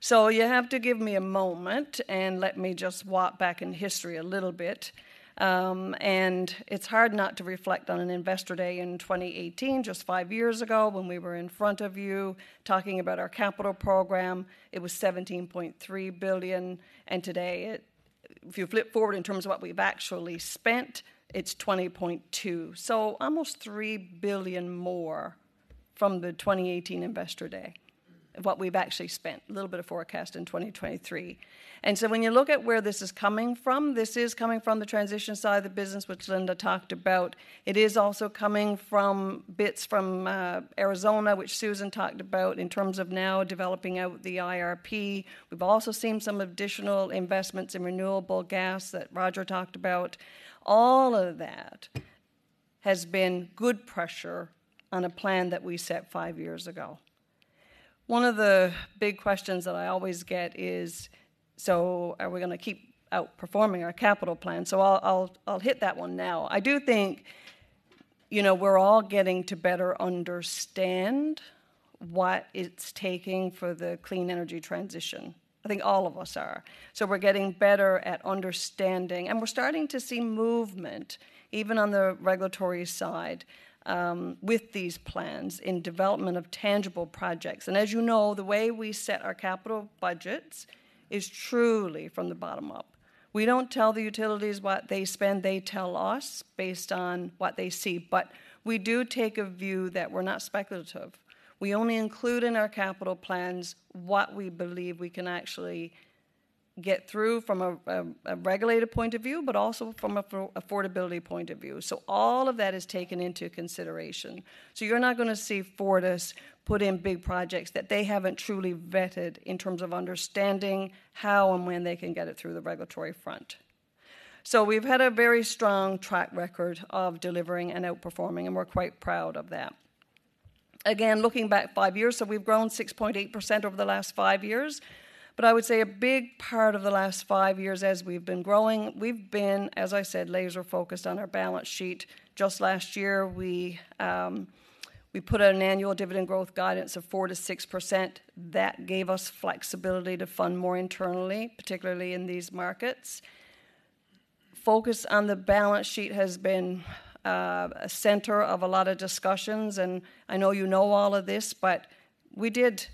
So you have to give me a moment and let me just walk back in history a little bit. And it's hard not to reflect on an Investor Day in 2018, just five years ago, when we were in front of you, talking about our capital program. It was 17.3 billion, and today it, if you flip forward in terms of what we've actually spent, it's 20.2 billion. So almost 3 billion more from the 2018 Investor Day, what we've actually spent, a little bit of forecast in 2023. And so when you look at where this is coming from, this is coming from the transition side of the business, which Linda talked about. It is also coming from bits from Arizona, which Susan talked about in terms of now developing out the IRP. We've also seen some additional investments in renewable gas that Roger talked about. All of that has been good pressure on a plan that we set five years ago. One of the big questions that I always get is: "So are we gonna keep outperforming our capital plan?" So I'll hit that one now. I do think, you know, we're all getting to better understand what it's taking for the clean energy transition. I think all of us are. So we're getting better at understanding, and we're starting to see movement, even on the regulatory side, with these plans in development of tangible projects. And as you know, the way we set our capital budgets is truly from the bottom up. We don't tell the utilities what they spend, they tell us based on what they see. But we do take a view that we're not speculative. We only include in our capital plans what we believe we can actually get through from a regulated point of view, but also from an affordability point of view. So all of that is taken into consideration. So you're not gonna see Fortis put in big projects that they haven't truly vetted in terms of understanding how and when they can get it through the regulatory front. So we've had a very strong track record of delivering and outperforming, and we're quite proud of that. Again, looking back five years, so we've grown 6.8% over the last five years, but I would say a big part of the last five years as we've been growing, we've been, as I said, laser-focused on our balance sheet. Just last year, we put out an annual dividend growth guidance of 4%-6%. That gave us flexibility to fund more internally, particularly in these markets. Focus on the balance sheet has been a center of a lot of discussions, and I know you know all of this, but we did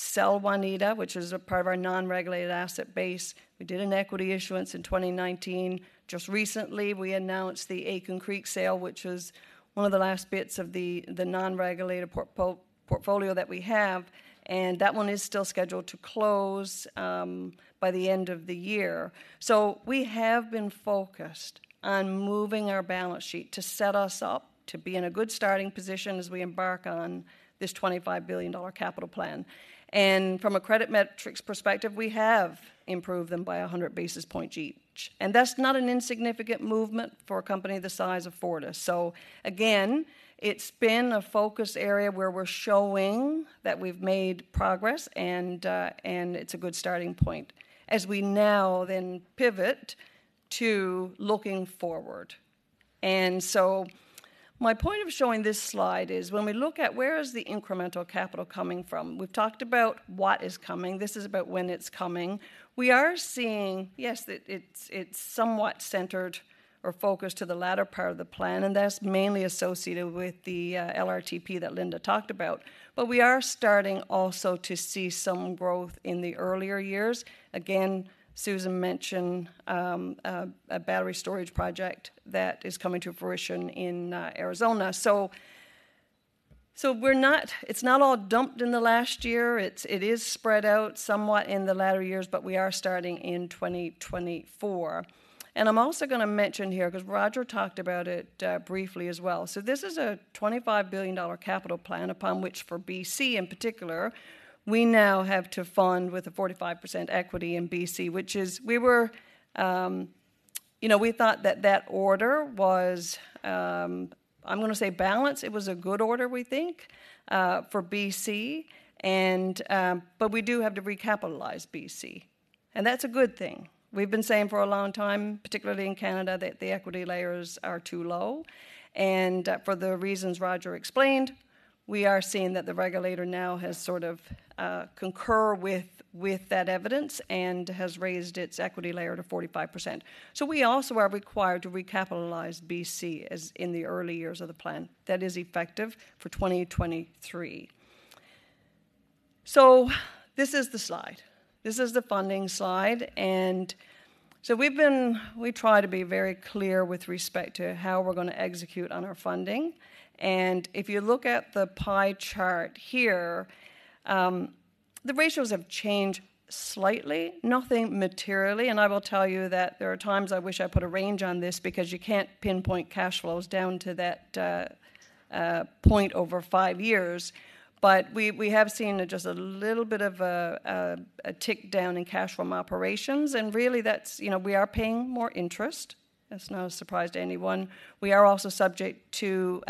sell Waneta, which is a part of our non-regulated asset base. We did an equity issuance in 2019. Just recently, we announced the Aitken Creek sale, which was one of the last bits of the non-regulated portfolio that we have, and that one is still scheduled to close by the end of the year. So we have been focused on moving our balance sheet to set us up to be in a good starting position as we embark on this 25 billion dollar capital plan. And from a credit metrics perspective, we have improved them by 100 basis points each. And that's not an insignificant movement for a company the size of Fortis. So again, it's been a focus area where we're showing that we've made progress, and it's a good starting point as we now then pivot to looking forward. And so my point of showing this slide is when we look at where is the incremental capital coming from, we've talked about what is coming, this is about when it's coming. We are seeing, yes, that it's somewhat centered or focused to the latter part of the plan, and that's mainly associated with the LRTP that Linda talked about. But we are starting also to see some growth in the earlier years. Again, Susan mentioned a battery storage project that is coming to fruition in Arizona. We're not it's not all dumped in the last year, it is spread out somewhat in the latter years, but we are starting in 2024. I'm also gonna mention here, 'cause Roger talked about it, briefly as well. This is a $25 billion capital plan, upon which for BC in particular, we now have to fund with a 45% equity in BC, which is we were, you know, we thought that that order was, I'm gonna say balanced. It was a good order, we think, for BC, and, you know, we do have to recapitalize BC. And that's a good thing. We've been saying for a long time, particularly in Canada, that the equity layers are too low, and for the reasons Roger explained, we are seeing that the regulator now has sort of concur with that evidence and has raised its equity layer to 45%. We also are required to recapitalize BC as in the early years of the plan. That is effective for 2023. This is the slide. This is the funding slide, and we've been. We try to be very clear with respect to how we're gonna execute on our funding. If you look at the pie chart here, the ratios have changed slightly, nothing materially. I will tell you that there are times I wish I put a range on this because you can't pinpoint cash flows down to that point over five years. But we have seen just a little bit of a tick down in cash from operations, and really that's, you know, we are paying more interest. That's no surprise to anyone. We are also subject to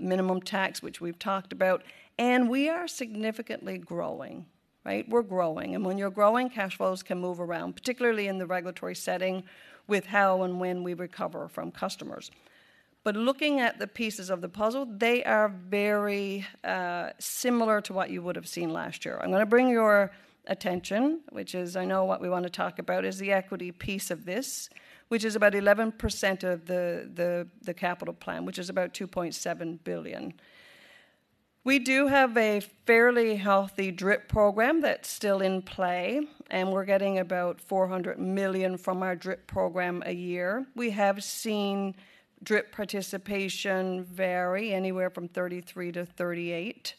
minimum tax, which we've talked about, and we are significantly growing, right? We're growing, and when you're growing, cash flows can move around, particularly in the regulatory setting with how and when we recover from customers. But looking at the pieces of the puzzle, they are very similar to what you would have seen last year. I'm gonna bring your attention, which is I know what we want to talk about, is the equity piece of this, which is about 11% of the capital plan, which is about 2.7 billion. We do have a fairly healthy DRIP program that's still in play, and we're getting about 400 million from our DRIP program a year. We have seen DRIP participation vary anywhere from 33%-38%,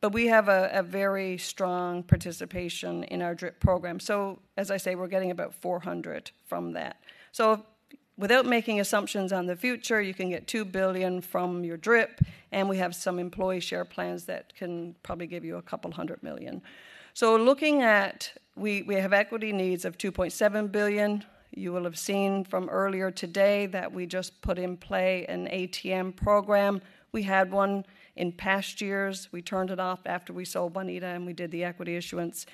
but we have a very strong participation in our DRIP program. So as I say, we're getting about 400 million from that. So without making assumptions on the future, you can get 2 billion from your DRIP, and we have some employee share plans that can probably give you 200 million. So looking at we have equity needs of 2.7 billion. You will have seen from earlier today that we just put in play an ATM program. We had one in past years. We turned it off after we sold Waneta, and we did the equity issuance.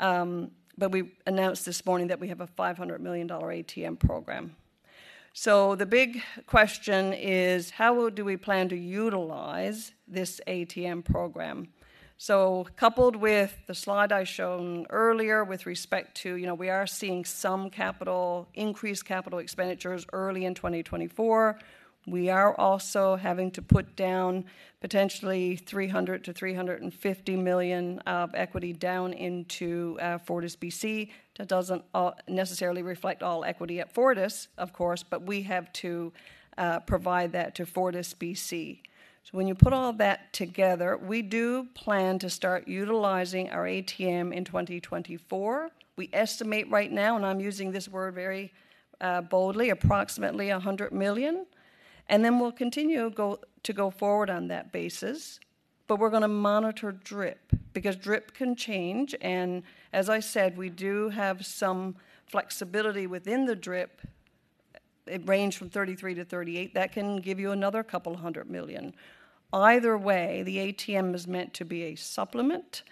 But we announced this morning that we have a 500 million dollar ATM program. So the big question is: how well do we plan to utilize this ATM program? So coupled with the slide I shown earlier with respect to, you know, we are seeing some capital, increased capital expenditures early in 2024. We are also having to put down potentially 300 million-350 million of equity down into FortisBC. That doesn't all necessarily reflect all equity at Fortis, of course, but we have to provide that to FortisBC. So when you put all that together, we do plan to start utilizing our ATM in 2024. We estimate right now, and I'm using this word very boldly, approximately 100 million, and then we'll continue to go forward on that basis. But we're gonna monitor DRIP, because DRIP can change, and as I said, we do have some flexibility within the DRIP. It ranged from 33%-38%. That can give you another 100 million. Either way, the ATM is meant to be a supplement,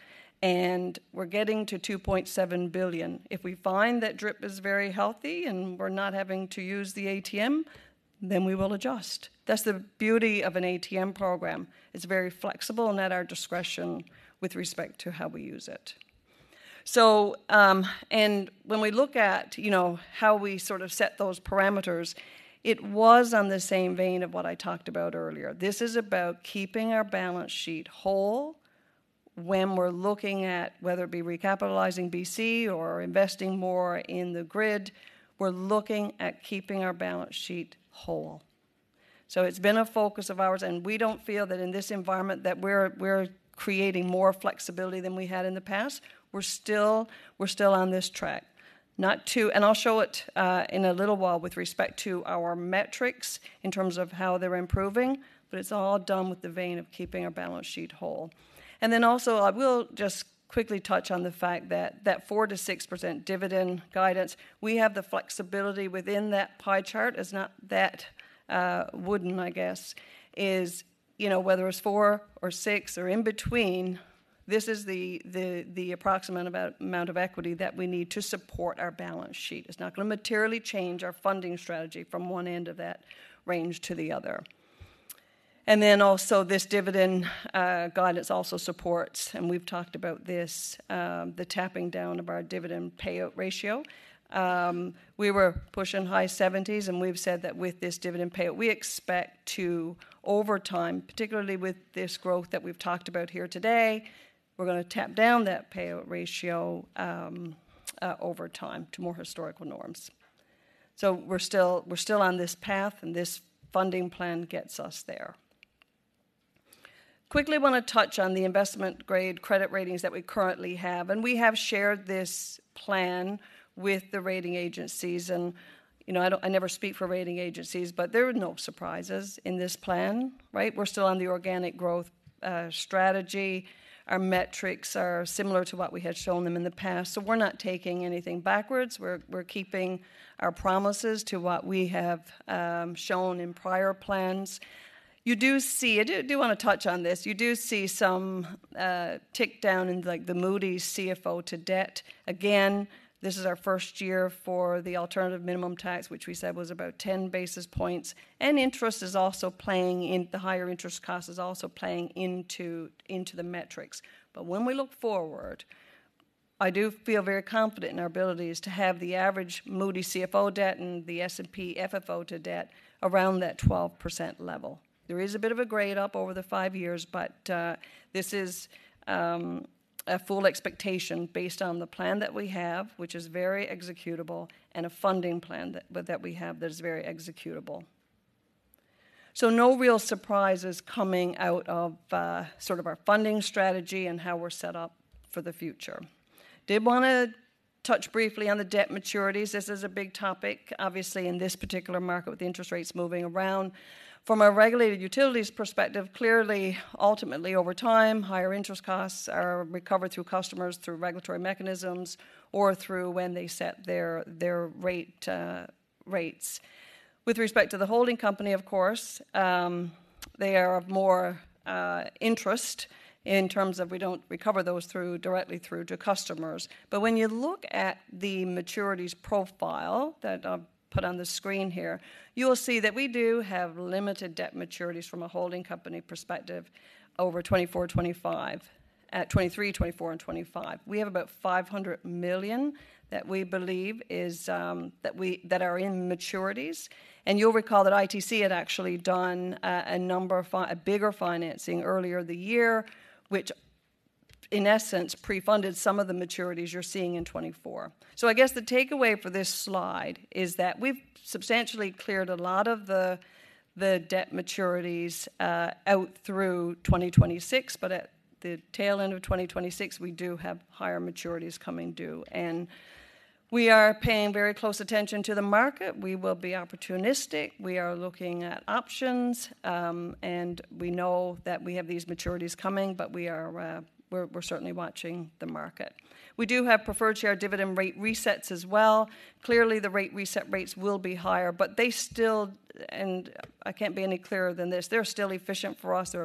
and we're getting to 2.7 billion. If we find that DRIP is very healthy and we're not having to use the ATM, then we will adjust. That's the beauty of an ATM program. It's very flexible and at our discretion with respect to how we use it. So, and when we look at, you know, how we sort of set those parameters, it was in the same vein of what I talked about earlier. This is about keeping our balance sheet whole. When we're looking at whether it be recapitalizing BC or investing more in the grid, we're looking at keeping our balance sheet whole. So it's been a focus of ours, and we don't feel that in this environment, that we're creating more flexibility than we had in the past. We're still on this track. And I'll show it in a little while with respect to our metrics in terms of how they're improving, but it's all done with the vein of keeping our balance sheet whole. And then also, I will just quickly touch on the fact that that 4%-6% dividend guidance, we have the flexibility within that pie chart. It's not that wooden, I guess. You know, whether it's four or six or in between, this is the approximate amount of equity that we need to support our balance sheet. It's not gonna materially change our funding strategy from one end of that range to the other. And then also, this dividend guidance also supports, and we've talked about this, the tapping down of our dividend payout ratio. We were pushing high 70s%, and we've said that with this dividend payout, we expect to, over time, particularly with this growth that we've talked about here today, we're gonna tap down that payout ratio, over time to more historical norms. So we're still on this path, and this funding plan gets us there. Quickly wanna touch on the investment-grade credit ratings that we currently have, and we have shared this plan with the rating agencies. You know, I never speak for rating agencies, but there are no surprises in this plan, right? We're still on the organic growth strategy. Our metrics are similar to what we had shown them in the past, so we're not taking anything backwards. We're keeping our promises to what we have shown in prior plans. You do see I do wanna touch on this. You do see some tick down in, like, the Moody's CFO to debt. Again, this is our first year for the alternative minimum tax, which we said was about 10 basis points, and interest is also playing in, the higher interest cost is also playing into the metrics. But when we look forward. I do feel very confident in our abilities to have the average Moody's CFO debt and the S&P FFO to debt around that 12% level. There is a bit of a grade up over the five years, but this is a full expectation based on the plan that we have, which is very executable, and a funding plan that we have that is very executable. No real surprises coming out of sort of our funding strategy and how we're set up for the future. Did wanna touch briefly on the debt maturities. This is a big topic, obviously, in this particular market, with the interest rates moving around. From a regulated utilities perspective, clearly, ultimately, over time, higher interest costs are recovered through customers, through regulatory mechanisms or through when they set their rates. With respect to the holding company, of course, they are of more interest in terms of we don't recover those through, directly through to customers. When you look at the maturities profile that I've put on the screen here, you'll see that we do have limited debt maturities from a holding company perspective over 2024, 2025, 2023, 2024, and 2025. We have about $500 million that we believe is, that are in maturities. You'll recall that ITC had actually done a number of bigger financing earlier the year, which, in essence, pre-funded some of the maturities you're seeing in 2024. I guess the takeaway for this slide is that we've substantially cleared a lot of the debt maturities out through 2026, but at the tail end of 2026, we do have higher maturities coming due. And we are paying very close attention to the market. We will be opportunistic. We are looking at options, and we know that we have these maturities coming, but we are, we're certainly watching the market. We do have preferred share dividend rate resets as well. Clearly, the rate reset rates will be higher, but they still and I can't be any clearer than this, they're still efficient for us. They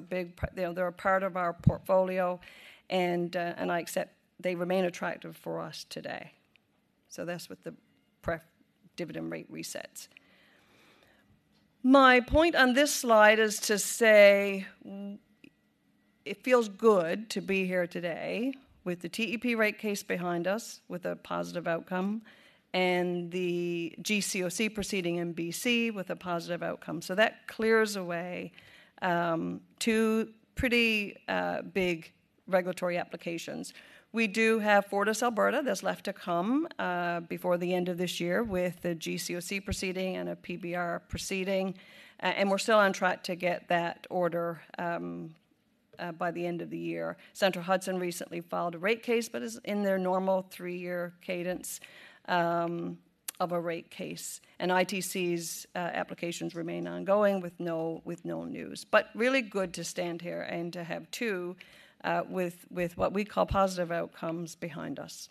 are a part of our portfolio, and I accept they remain attractive for us today. So that's with the dividend rate resets. My point on this slide is to say it feels good to be here today with the TEP rate case behind us, with a positive outcome, and the GCOC proceeding in BC with a positive outcome. So that clears away, two pretty big regulatory applications. We do have FortisAlberta that's left to come, before the end of this year, with the GCOC proceeding and a PBR proceeding, and we're still on track to get that order, by the end of the year. Central Hudson recently filed a rate case, but is in their normal three-year cadence, of a rate case. And ITC's applications remain ongoing with no news. But really good to stand here and to have two, with what we call positive outcomes behind us.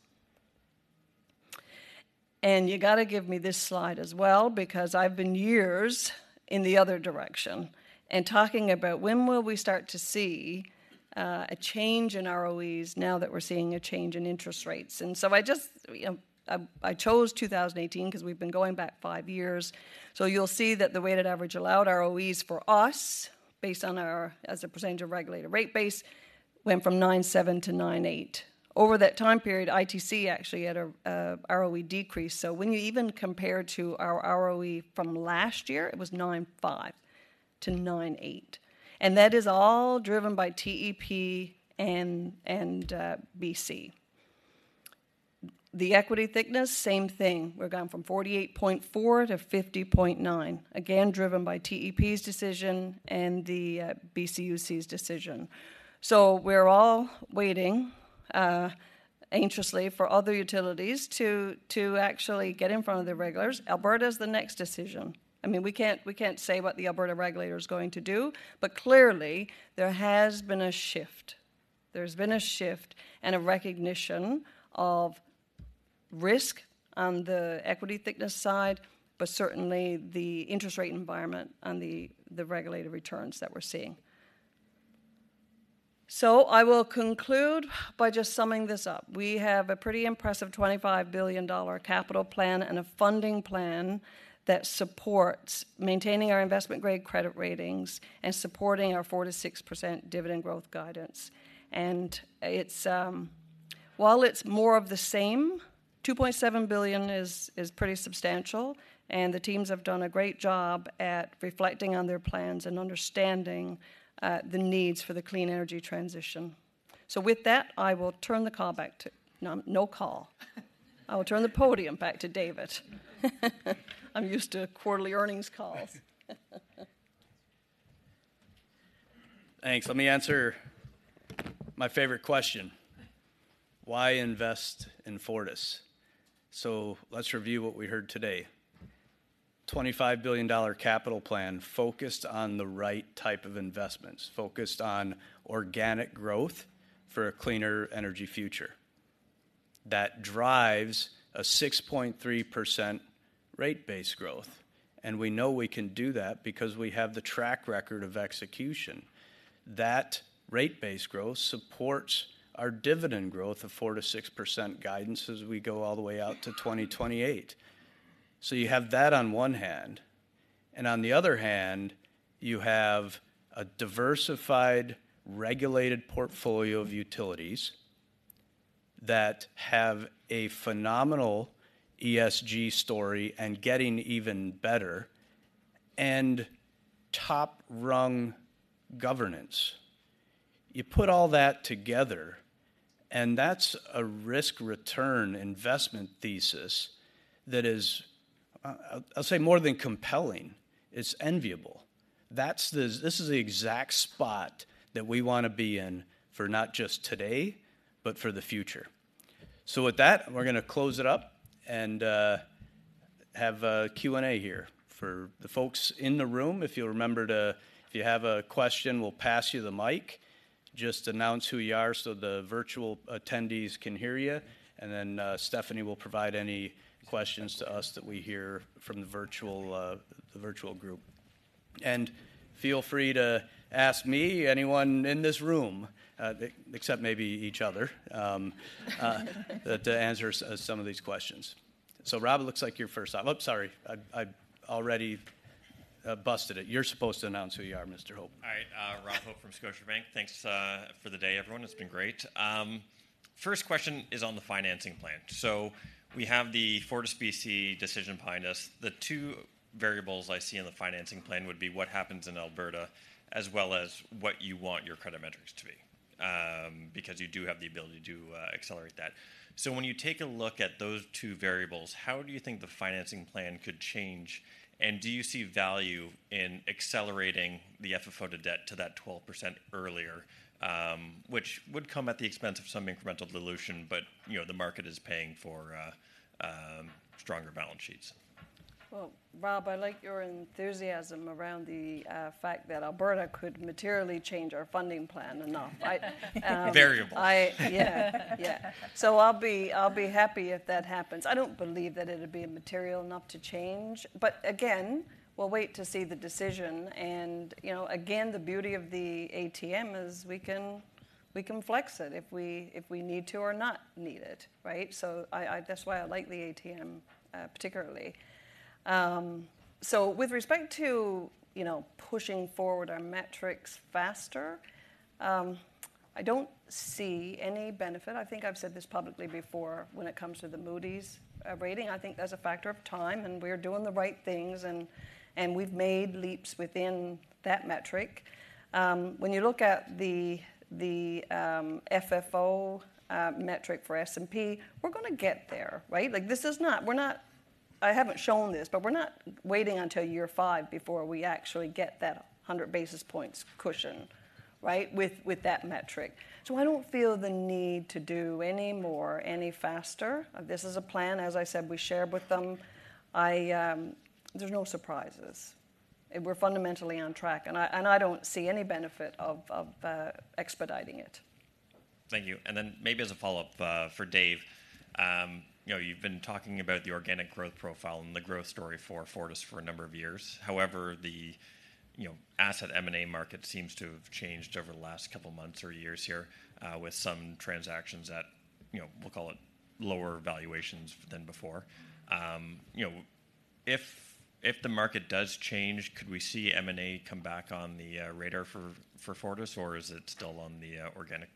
And you gotta give me this slide as well, because I've been years in the other direction and talking about when will we start to see, a change in ROEs now that we're seeing a change in interest rates? And so I just, I chose 2018, 'cause we've been going back five years. So you'll see that the weighted average allowed ROEs for us, based on our, as a percentage of regulated rate base, went from 9.7%-9.8%. Over that time period, ITC actually had a ROE decrease. So when you even compare to our ROE from last year, it was 9.5%-9.8%, and that is all driven by TEP and BC. The equity thickness, same thing. We've gone from 48.4%-50.9%, again, driven by TEP's decision and the BCUC's decision. So we're all waiting anxiously for other utilities to actually get in front of the regulators. Alberta's the next decision. I mean, we can't, we can't say what the Alberta regulator is going to do, but clearly, there has been a shift. There's been a shift and a recognition of risk on the equity thickness side, but certainly the interest rate environment on the, the regulated returns that we're seeing. So I will conclude by just summing this up. We have a pretty impressive 25 billion dollar capital plan and a funding plan that supports maintaining our investment-grade credit ratings and supporting our 4%-6% dividend growth guidance. And it's while it's more of the same, 2.7 billion is, is pretty substantial, and the teams have done a great job at reflecting on their plans and understanding the needs for the clean energy transition. So with that, I will turn the call back to no call. I will turn the podium back to David. I'm used to quarterly earnings calls. Thanks. Let me answer my favorite question: Why invest in Fortis? So let's review what we heard today. 25 billion dollar capital plan focused on the right type of investments, focused on organic growth for a cleaner energy future that drives a 6.3% rate base growth, and we know we can do that because we have the track record of execution. That rate base growth supports our dividend growth of 4%-6% guidance as we go all the way out to 2028. So you have that on one hand and on the other hand, you have a diversified, regulated portfolio of utilities that have a phenomenal ESG story and getting even better, and top-rung governance. You put all that together and that's a risk-return investment thesis that is, I'll say, more than compelling. It's enviable. This is the exact spot that we wanna be in for not just today, but for the future. So with that, we're gonna close it up and have a Q&A here. For the folks in the room, if you'll remember to... If you have a question, we'll pass you the mic. Just announce who you are so the virtual attendees can hear you, and then, Stephanie will provide any questions to us that we hear from the virtual, the virtual group. And feel free to ask me, anyone in this room, except maybe each other, to answer some of these questions. So Rob, it looks like you're first up. Oh, sorry, I already busted it. You're supposed to announce who you are, Mr. Hope. All right. Rob Hope from Scotiabank. Thanks for the day, everyone. It's been great. First question is on the financing plan. So we have the FortisBC decision behind us. The two variables I see in the financing plan would be what happens in Alberta, as well as what you want your credit metrics to be, because you do have the ability to accelerate that. So when you take a look at those two variables, how do you think the financing plan could change? And do you see value in accelerating the FFO to debt to that 12% earlier, which would come at the expense of some incremental dilution, but, you know, the market is paying for stronger balance sheets? Well, Rob, I like your enthusiasm around the fact that Alberta could materially change our funding plan enough, right? Variable. Yeah. Yeah. So I'll be happy if that happens. I don't believe that it'll be material enough to change, but again, we'll wait to see the decision. And, you know, again, the beauty of the ATM is we can flex it if we need to or not need it, right? So that's why I like the ATM, particularly. So with respect to, you know, pushing forward our metrics faster, I don't see any benefit. I think I've said this publicly before when it comes to the Moody's rating. I think that's a factor of time, and we're doing the right things, and we've made leaps within that metric. When you look at the FFO metric for S&P, we're gonna get there, right? Like, this is not- we're not. I haven't shown this, but we're not waiting until year five before we actually get that 100 basis points cushion, right, with, with that metric. So I don't feel the need to do any more, any faster. This is a plan, as I said, we shared with them. I, there's no surprises. We're fundamentally on track, and I, and I don't see any benefit of, of, expediting it. Thank you. Then maybe as a follow-up for Dave, you know, you've been talking about the organic growth profile and the growth story for Fortis for a number of years. However, you know, the asset M&A market seems to have changed over the last couple of months or years here, with some transactions at, you know, we'll call it, lower valuations than before. You know, if the market does change, could we see M&A come back on the radar for Fortis, or is it still on the organic?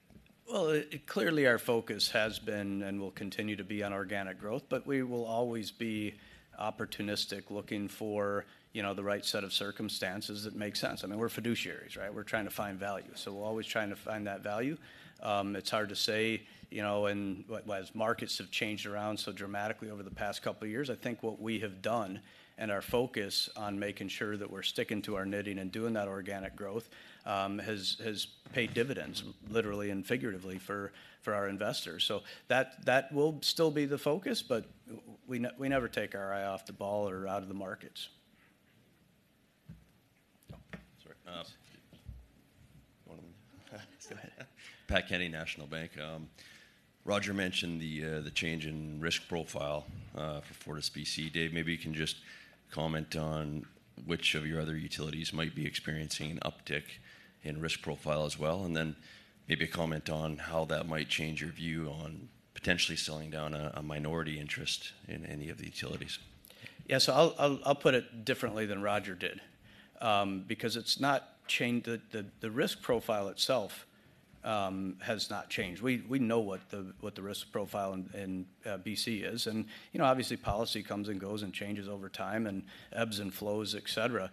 Well, clearly, our focus has been and will continue to be on organic growth, but we will always be opportunistic, looking for, you know, the right set of circumstances that make sense. I mean, we're fiduciaries, right? We're trying to find value, so we're always trying to find that value. It's hard to say, you know, and as markets have changed around so dramatically over the past couple of years, I think what we have done, and our focus on making sure that we're sticking to our knitting and doing that organic growth, has paid dividends, literally and figuratively, for our investors. So that will still be the focus, but we never take our eye off the ball or out of the markets. Oh, sorry. Go ahead. Patrick Kenny, National Bank. Roger mentioned the change in risk profile for FortisBC. Dave, maybe you can just comment on which of your other utilities might be experiencing an uptick in risk profile as well, and then maybe a comment on how that might change your view on potentially selling down a minority interest in any of the utilities. Yeah, so I'll put it differently than Roger did, because it's not changed. The risk profile itself has not changed. We know what the risk profile in BC is. And, you know, obviously, policy comes and goes and changes over time and ebbs and flows, et cetera.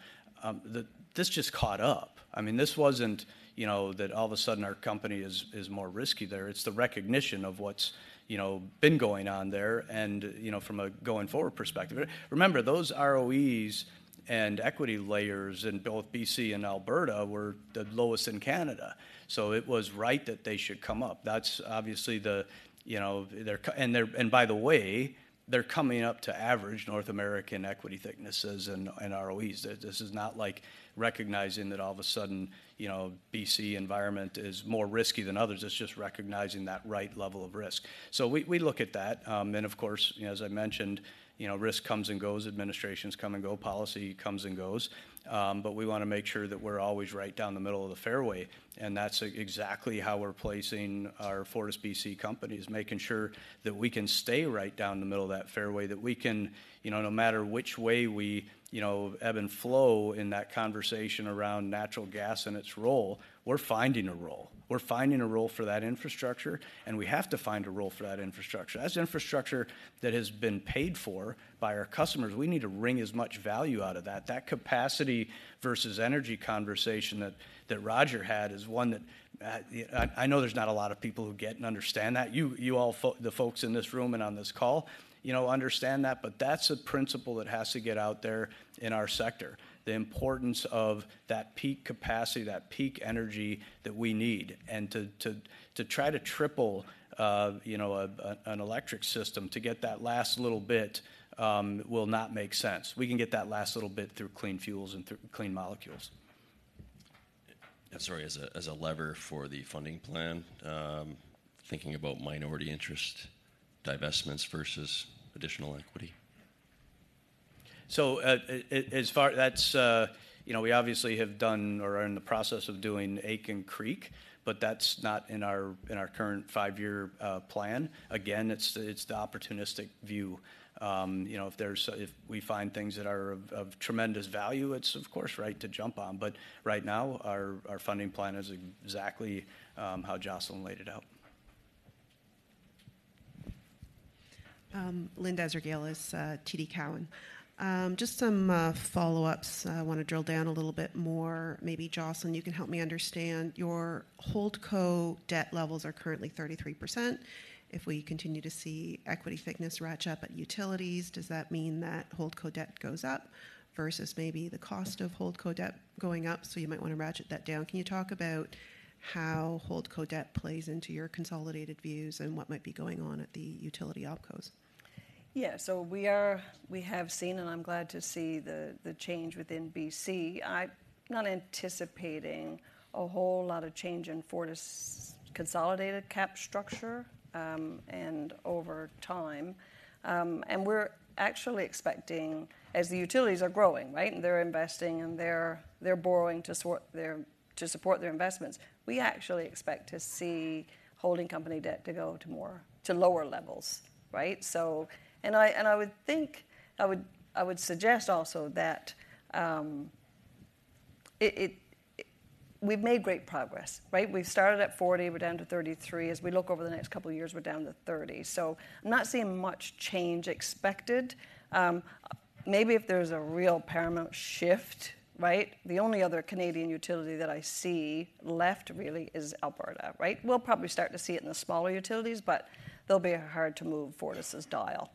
This just caught up. I mean, this wasn't, you know, that all of a sudden our company is more risky there. It's the recognition of what's, you know, been going on there and, you know, from a going-forward perspective. Remember, those ROEs and equity layers in both BC and Alberta were the lowest in Canada. So it was right that they should come up. That's obviously the, you know, they're and they're. And by the way, they're coming up to average North American equity thicknesses and ROEs. This is not like recognizing that all of a sudden, you know, BC. environment is more risky than others. It's just recognizing that right level of risk. So we look at that. And of course, as I mentioned, you know, risk comes and goes, administrations come and go, policy comes and goes but we wanna make sure that we're always right down the middle of the fairway, and that's exactly how we're placing our FortisBC companies, making sure that we can stay right down the middle of that fairway, that we can, you know, no matter which way we, you know, ebb and flow in that conversation around natural gas and its role, we're finding a role. We're finding a role for that infrastructure, and we have to find a role for that infrastructure. That's infrastructure that has been paid for by our customers. We need to wring as much value out of that. That capacity versus energy conversation that that Roger had is one that I, I know there's not a lot of people who get and understand that. You, you all the folks in this room and on this call, you know, understand that, but that's a principle that has to get out there in our sector, the importance of that peak capacity, that peak energy that we need. And to try to triple an electric system to get that last little bit will not make sense. We can get that last little bit through clean fuels and through clean molecules. Yeah, sorry, as a lever for the funding plan, thinking about minority interest divestments versus additional equity. So, as far that's, you know, we obviously have done or are in the process of doing Aitken Creek, but that's not in our, in our current five-year plan. Again, it's the, it's the opportunistic view. You know, if there's- if we find things that are of, of tremendous value, it's, of course, right to jump on. But right now, our, our funding plan is exactly, how Jocelyn laid it out. Linda Ezergailis, TD Cowen. Just some follow-ups. I wanna drill down a little bit more. Maybe, Jocelyn, you can help me understand. Your holdco debt levels are currently 33%. If we continue to see equity thickness ratchet up at utilities, does that mean that holdco debt goes up versus maybe the cost of holdco debt going up, so you might wanna ratchet that down? Can you talk about how holdco debt plays into your consolidated views and what might be going on at the utility opcos? Yeah, so we are we have seen, and I'm glad to see the change within BC. I'm not anticipating a whole lot of change in Fortis' consolidated cap structure, and over time. And we're actually expecting. As the utilities are growing, right? And they're investing, and they're borrowing to support their investments. We actually expect to see holding company debt to go to lower levels, right? So, and I would think, I would suggest also that we've made great progress, right? We've started at 40%, we're down to 33%. As we look over the next couple of years, we're down to 30%. So I'm not seeing much change expected. Maybe if there's a real paramount shift, right? The only other Canadian utility that I see left really is Alberta, right? We'll probably start to see it in the smaller utilities, but they'll be hard to move Fortis' dial.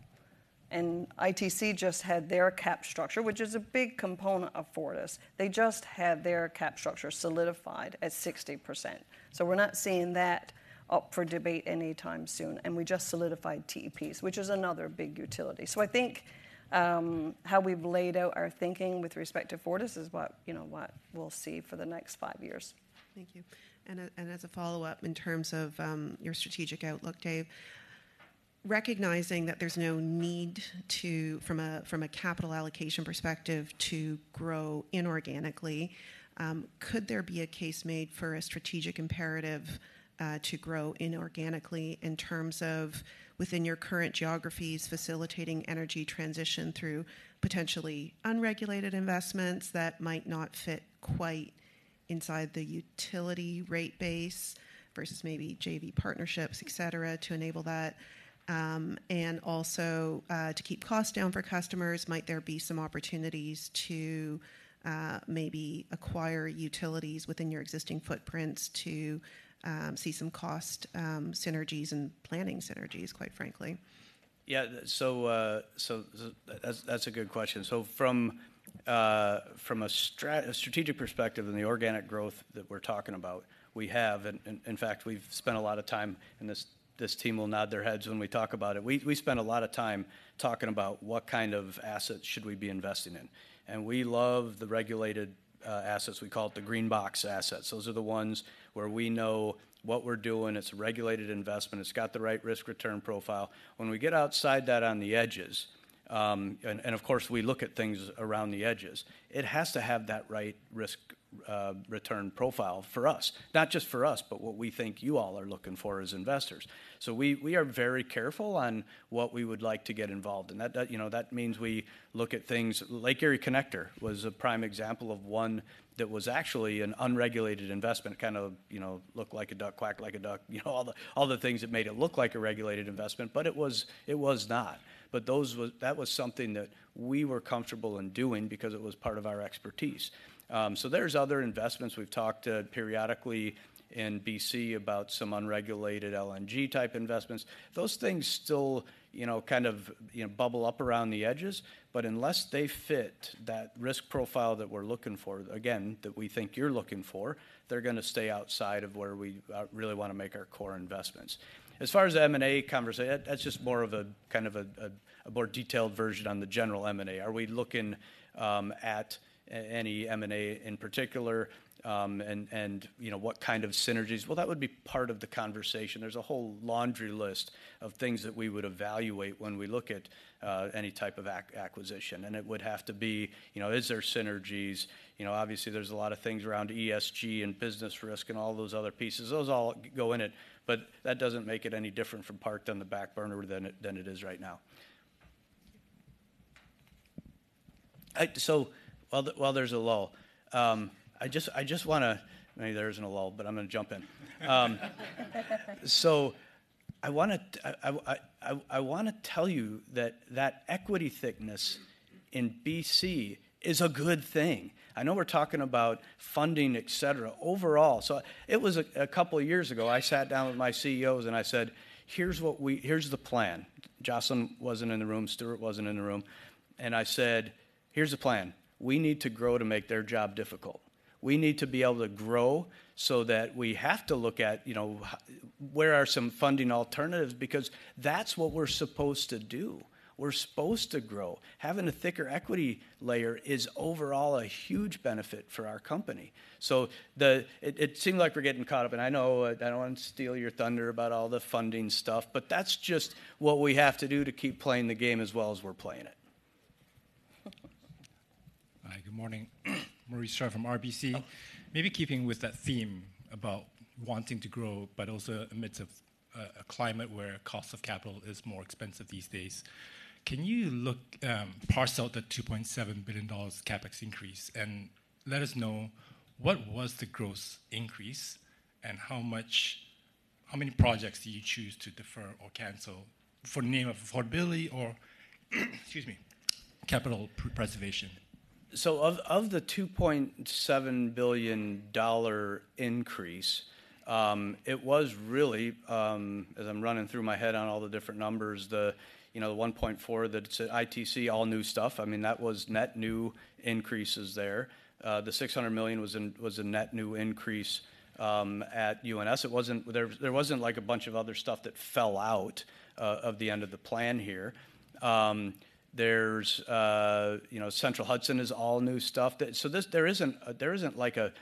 ITC just had their cap structure, which is a big component of Fortis. They just had their cap structure solidified at 60%. We're not seeing that up for debate anytime soon, and we just solidified TEP, which is another big utility. I think, how we've laid out our thinking with respect to Fortis is what, you know, what we'll see for the next five years. Thank you. And as a follow-up, in terms of your strategic outlook, Dave, recognizing that there's no need to, from a capital allocation perspective, to grow inorganically, could there be a case made for a strategic imperative to grow inorganically in terms of within your current geographies, facilitating energy transition through potentially unregulated investments that might not fit quite inside the utility rate base versus maybe JV partnerships, et cetera, to enable that? And also, to keep costs down for customers, might there be some opportunities to maybe acquire utilities within your existing footprints to see some cost synergies and planning synergies, quite frankly? Yeah, so that's a good question. So from a strategic perspective and the organic growth that we're talking about, we have, and in fact, we've spent a lot of time, and this team will nod their heads when we talk about it. We spend a lot of time talking about what kind of assets should we be investing in, and we love the regulated assets. We call it the green box assets. Those are the ones where we know what we're doing. It's a regulated investment. It's got the right risk-return profile. When we get outside that on the edges, and of course, we look at things around the edges, it has to have that right risk return profile for us. Not just for us, but what we think you all are looking for as investors. So we are very careful on what we would like to get involved in. That, you know, that means we look at things. Lake Erie Connector was a prime example of one that was actually an unregulated investment, kind of, you know, looked like a duck, quacked like a duck you know, all the things that made it look like a regulated investment, but it was not. That was something that we were comfortable in doing because it was part of our expertise. So there's other investments. We've talked periodically in BC about some unregulated LNG-type investments. Those things still, you know, kind of, you know, bubble up around the edges, but unless they fit that risk profile that we're looking for, again, that we think you're looking for, they're gonna stay outside of where we really wanna make our core investments. As far as the M&A conversation, that's just more of a kind of a more detailed version on the general M&A. Are we looking at any M&A in particular, and, you know, what kind of synergies? Well, that would be part of the conversation. There's a whole laundry list of things that we would evaluate when we look at any type of acquisition, and it would have to be, you know, is there synergies? You know, obviously, there's a lot of things around ESG and business risk, and all those other pieces. Those all go in it, but that doesn't make it any different from parked on the back burner than it, than it is right now. So while there's a lull, I just wanna maybe there isn't a lull, but I'm gonna jump in. So I wanna tell you that that equity thickness in BC is a good thing. I know we're talking about funding, et cetera, overall. So it was a couple of years ago, I sat down with my CEOs and I said, "Here's what we, here's the plan." Jocelyn wasn't in the room, Stuart wasn't in the room. And I said, "Here's the plan: We need to grow to make their job difficult. We need to be able to grow so that we have to look at, you know, where are some funding alternatives, because that's what we're supposed to do. We're supposed to grow. Having a thicker equity layer is overall a huge benefit for our company." So the it seemed like we're getting caught up, and I know I don't want to steal your thunder about all the funding stuff, but that's just what we have to do to keep playing the game as well as we're playing it. Hi, good morning. Maurice Choy from RBC. Maybe keeping with that theme about wanting to grow, but also amidst of a climate where cost of capital is more expensive these days, can you look parcel out the 2.7 billion dollars CapEx increase, and let us know what was the gross increase, and how much how many projects do you choose to defer or cancel for the name of affordability or, excuse me, capital preservation? So of the 2.7 billion dollar increase, it was really. As I'm running through my head on all the different numbers, you know, the 1.4 billion, that's ITC, all new stuff. I mean, that was net new increases there. The 600 million was in, was a net new increase, at UNS. It wasn't. There, there wasn't, like, a bunch of other stuff that fell out of the end of the plan here. There's, you know, Central Hudson is all new stuff that. So this, there isn't a, there isn't, like, a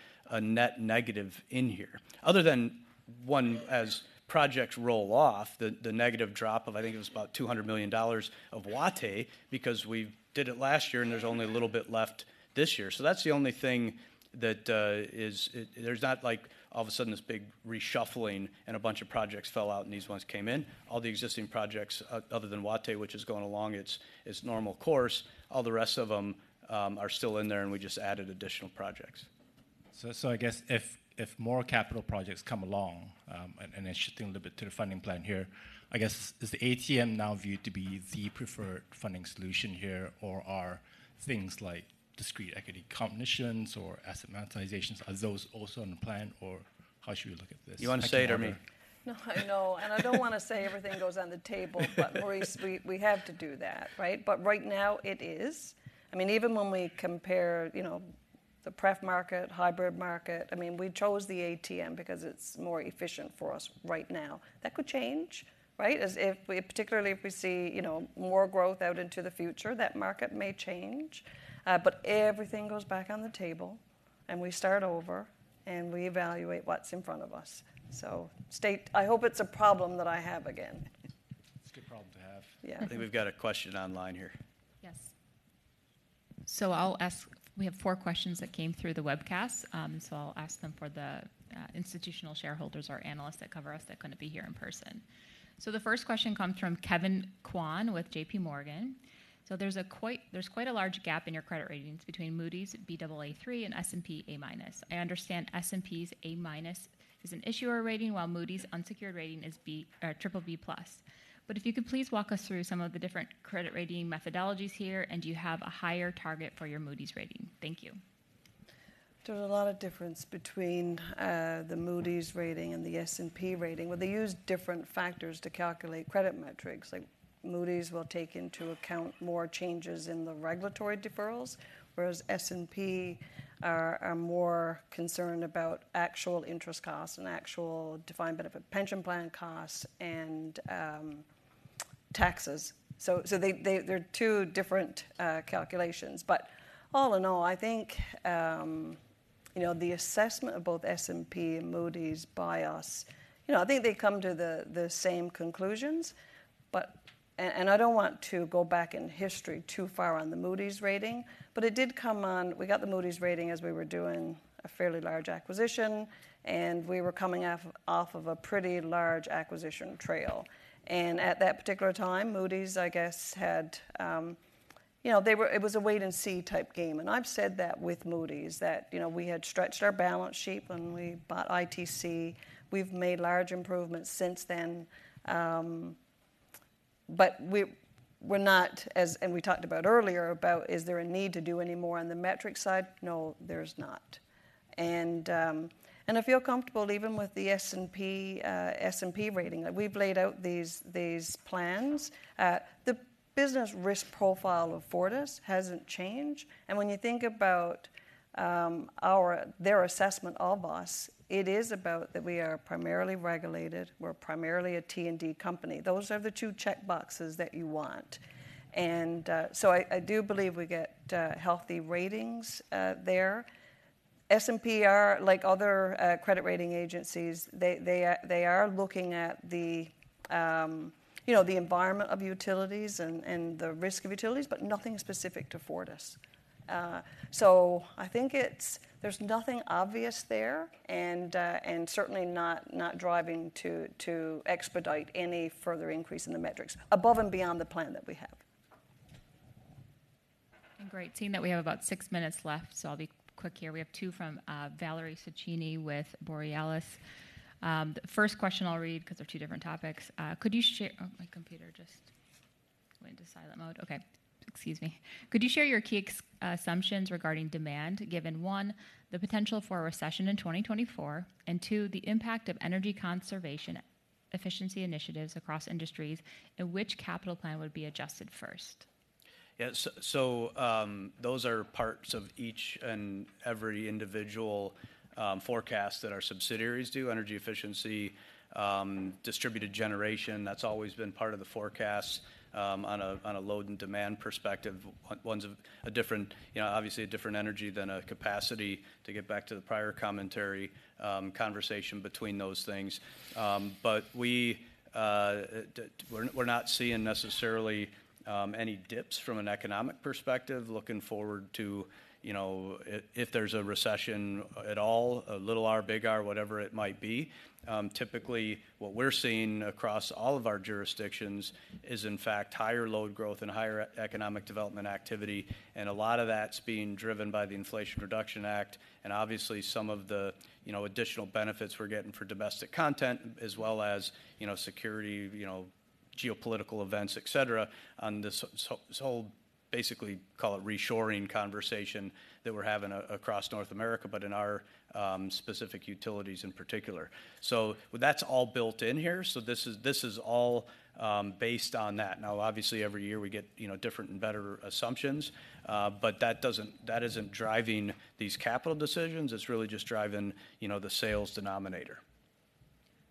net negative in here. Other than one, as projects roll off, the negative drop of, I think, it was about $200 million of Waneta because we did it last year, and there's only a little bit left this year. So that's the only thing that is. There's not like, all of a sudden, this big reshuffling and a bunch of projects fell out, and these ones came in. All the existing projects, other than Waneta, which is going along its, its normal course, all the rest of them are still in there, and we just added additional projects. So, I guess if more capital projects come along, and shifting a little bit to the funding plan here, I guess, is the ATM now viewed to be the preferred funding solution here, or are things like discrete equity combinations or asset monetizations also in the plan, or how should we look at this? You want to say it or me? No, I know. And I don't want to say everything goes on the table, but, Maurice, we, we have to do that, right? But right now, it is. I mean, even when we compare, you know, the pref market, hybrid market, I mean, we chose the ATM because it's more efficient for us right now. That could change, right? As if we, particularly, if we see, you know, more growth out into the future, that market may change. But everything goes back on the table, and we start over, and we evaluate what's in front of us. So, I hope it's a problem that I have again. It's a good problem to have. Yeah. I think we've got a question online here. Yes. So I'll ask, we have four questions that came through the webcast, so I'll ask them for the institutional shareholders or analysts that cover us that couldn't be here in person. So the first question comes from Kevin Kwan with JPMorgan. "So there's quite a large gap in your credit ratings between Moody's Baa3 and S&P A-. I understand S&P's A- is an issuer rating, while Moody's unsecured rating is B, BBB+. But if you could please walk us through some of the different credit rating methodologies here, and do you have a higher target for your Moody's rating? Thank you. There's a lot of difference between the Moody's rating and the S&P rating. Well, they use different factors to calculate credit metrics. Like, Moody's will take into account more changes in the regulatory deferrals, whereas S&P are more concerned about actual interest costs and actual defined benefit pension plan costs and taxes. So they’re two different calculations. But all in all, I think you know the assessment of both S&P and Moody's by us, you know, I think they come to the same conclusions, but and I don't want to go back in history too far on the Moody's rating, but it did come we got the Moody's rating as we were doing a fairly large acquisition, and we were coming off of a pretty large acquisition trail. At that particular time, Moody's, I guess, had, you know, it was a wait-and-see type game. I've said that with Moody's, that, you know, we had stretched our balance sheet when we bought ITC. We've made large improvements since then, but we're not as and we talked about earlier, about, is there a need to do any more on the metric side? No, there's not. And I feel comfortable, even with the S&P, S&P rating, that we've laid out these, these plans. The business risk profile of Fortis hasn't changed, and when you think about, their assessment of us, it is about that we are primarily regulated, we're primarily a T&D company. Those are the two checkboxes that you want. And so I do believe we get healthy ratings there. S&P are like other, credit rating agencies. They, they are, they are looking at the, you know, the environment of utilities and, and the risk of utilities, but nothing specific to Fortis. So I think it's there's nothing obvious there, and, and certainly not, not driving to, to expedite any further increase in the metrics above and beyond the plan that we have. Great, seeing that we have about six minutes left, so I'll be quick here. We have two from Valérie Cecchini with Borealis. The first question I'll read, 'cause they're two different topics. Could you share oh, my computer just went into silent mode. Okay, excuse me. Could you share your key assumptions regarding demand, given, one, the potential for a recession in 2024, and two, the impact of energy conservation efficiency initiatives across industries, and which capital plan would be adjusted first? Yeah, so, those are parts of each and every individual forecast that our subsidiaries do. Energy efficiency, distributed generation, that's always been part of the forecast, on a load and demand perspective. One's a different, you know, obviously a different energy than a capacity, to get back to the prior commentary, conversation between those things. But we, we're not seeing necessarily any dips from an economic perspective. Looking forward to, you know, if there's a recession at all, a little R, big R, whatever it might be, typically, what we're seeing across all of our jurisdictions is, in fact, higher load growth and higher economic development activity, and a lot of that's being driven by the Inflation Reduction Act and obviously some of the, you know, additional benefits we're getting for domestic content, as well as, you know, security, you know, geopolitical events, et cetera, on this, basically, call it reshoring conversation that we're having across North America, but in our, specific utilities in particular. So that's all built in here, so this is, this is all, based on that. Now, obviously, every year we get, you know, different and better assumptions, but that doesn't that isn't driving these capital decisions. It's really just driving, you know, the sales denominator.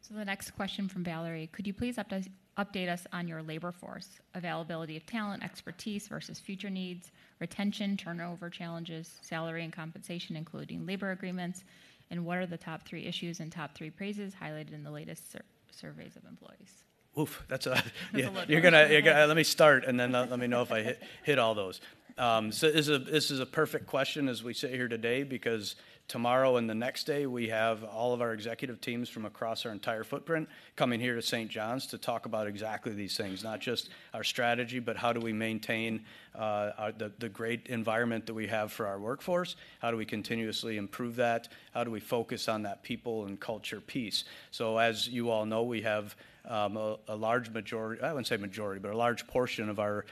So the next question from Valérie: Could you please update us on your labor force, availability of talent, expertise versus future needs, retention, turnover challenges, salary and compensation, including labor agreements, and what are the top three issues and top three praises highlighted in the latest surveys of employees? Oof, that's a You're gonna let me start, and then let me know if I hit all those. So this is a perfect question as we sit here today because tomorrow and the next day, we have all of our executive teams from across our entire footprint coming here to St. John's to talk about exactly these things, not just our strategy, but how do we maintain our great environment that we have for our workforce? How do we continuously improve that? How do we focus on that people and culture piece? So as you all know, we have a large majority I wouldn't say majority, but a large portion of our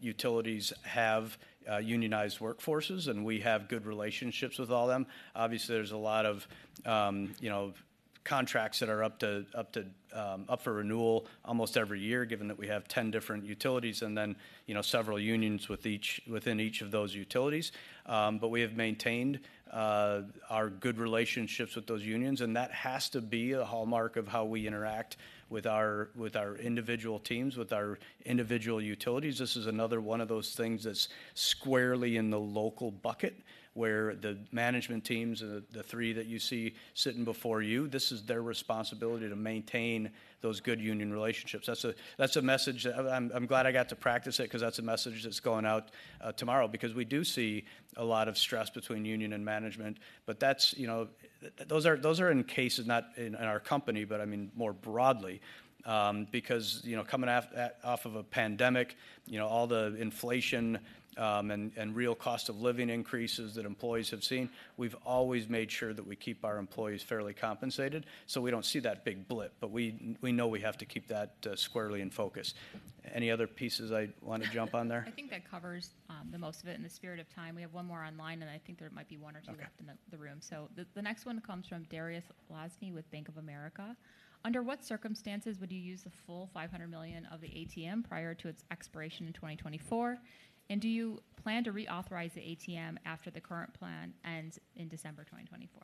utilities have unionized workforces, and we have good relationships with all them. Obviously, there's a lot of, you know, contracts that are up for renewal almost every year, given that we have 10 different utilities and then, you know, several unions within each of those utilities. But we have maintained our good relationships with those unions, and that has to be a hallmark of how we interact with our, with our individual teams, with our individual utilities. This is another one of those things that's squarely in the local bucket, where the management teams, the three that you see sitting before you, this is their responsibility to maintain those good union relationships. That's a message that I'm glad I got to practice it 'cause that's a message that's going out tomorrow, because we do see a lot of stress between union and management. But that's, you know, those are, those are in cases, not in our company, but I mean, more broadly, because, you know, coming off of a pandemic, you know, all the inflation, and real cost of living increases that employees have seen. We've always made sure that we keep our employees fairly compensated, so we don't see that big blip, but we know we have to keep that squarely in focus. Any other pieces I'd want to jump on there? I think that covers the most of it. In the spirit of time, we have one more online, and I think there might be one or two- Okay In the room. So the next one comes from Dariusz Lozny with Bank of America: Under what circumstances would you use the full 500 million of the ATM prior to its expiration in 2024? And do you plan to reauthorize the ATM after the current plan ends in December 2024?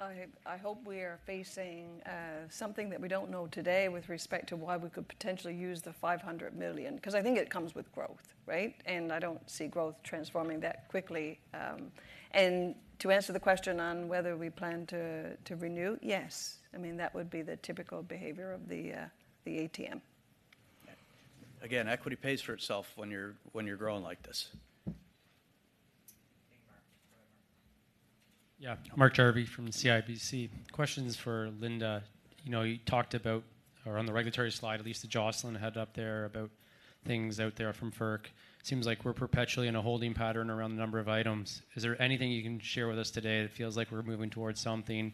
I hope, I hope we are facing something that we don't know today with respect to why we could potentially use the 500 million, 'cause I think it comes with growth, right? And I don't see growth transforming that quickly. And to answer the question on whether we plan to renew, yes. I mean, that would be the typical behavior of the ATM. Again, equity pays for itself when you're growing like this. Yeah. Mark Jarvi from CIBC. Questions for Linda. You know, you talked about, or on the regulatory slide, at least that Jocelyn had up there, about things out there from FERC. Seems like we're perpetually in a holding pattern around the number of items. Is there anything you can share with us today that feels like we're moving towards something?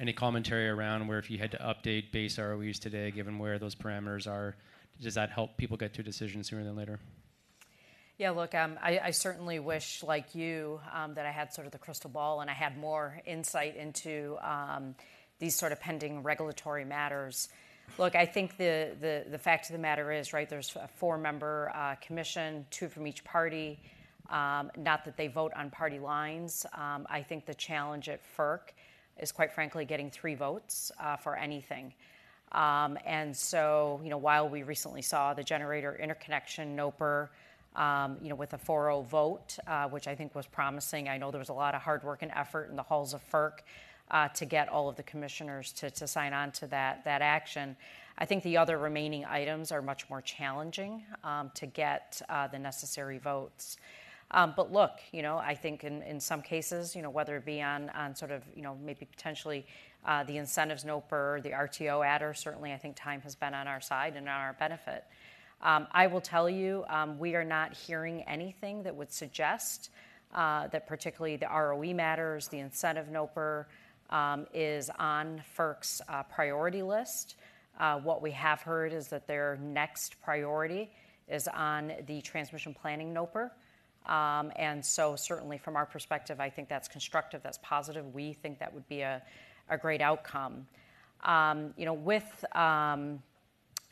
Any commentary around where if you had to update base ROEs today, given where those parameters are, does that help people get to a decision sooner than later? Yeah, look, I certainly wish, like you, that I had sort of the crystal ball and I had more insight into these sort of pending regulatory matters. Look, I think the fact of the matter is, right, there's a four-member commission, two from each party, not that they vote on party lines. I think the challenge at FERC is, quite frankly, getting three votes for anything. You know, while we recently saw the Generator Interconnection NOPR, you know, with a 4-0 vote, which I think was promising, I know there was a lot of hard work and effort in the halls of FERC to get all of the commissioners to sign on to that action. I think the other remaining items are much more challenging to get the necessary votes. But look, you know, I think in some cases, you know, whether it be on, on sort of, you know, maybe potentially the incentives NOPR, the RTO adder, certainly I think time has been on our side and on our benefit. I will tell you, we are not hearing anything that would suggest that particularly the ROE matters, the incentive NOPR is on FERC's priority list. What we have heard is that their next priority is on the Transmission Planning NOPR. And so certainly from our perspective, I think that's constructive, that's positive. We think that would be a great outcome. You know,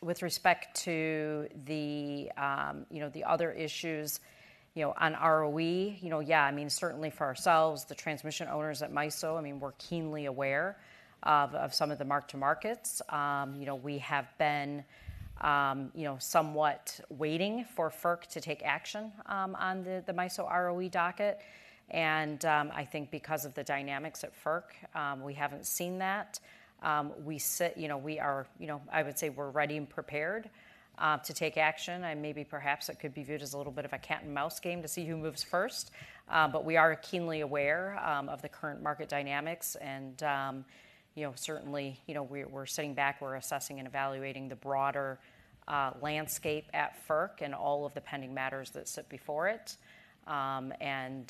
with respect to the other issues, you know, on ROE, you know, yeah, I mean, certainly for ourselves, the transmission owners at MISO, I mean, we're keenly aware of some of the mark-to-markets. You know, we have been somewhat waiting for FERC to take action on the MISO ROE docket, and I think because of the dynamics at FERC, we haven't seen that. You know, we are, you know, I would say we're ready and prepared to take action, and maybe perhaps it could be viewed as a little bit of a cat-and-mouse game to see who moves first. But we are keenly aware of the current market dynamics, and you know, certainly, you know, we're sitting back, we're assessing and evaluating the broader landscape at FERC and all of the pending matters that sit before it. And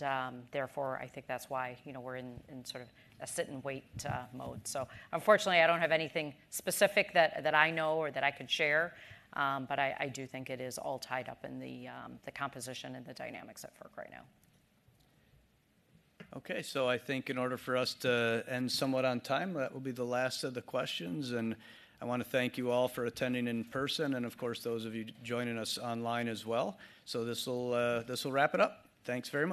therefore, I think that's why, you know, we're in sort of a sit-and-wait mode. So unfortunately, I don't have anything specific that I know or that I could share, but I do think it is all tied up in the composition and the dynamics at FERC right now. Okay, so I think in order for us to end somewhat on time, that will be the last of the questions, and I want to thank you all for attending in person and, of course, those of you joining us online as well. So this will, this will wrap it up. Thanks very much.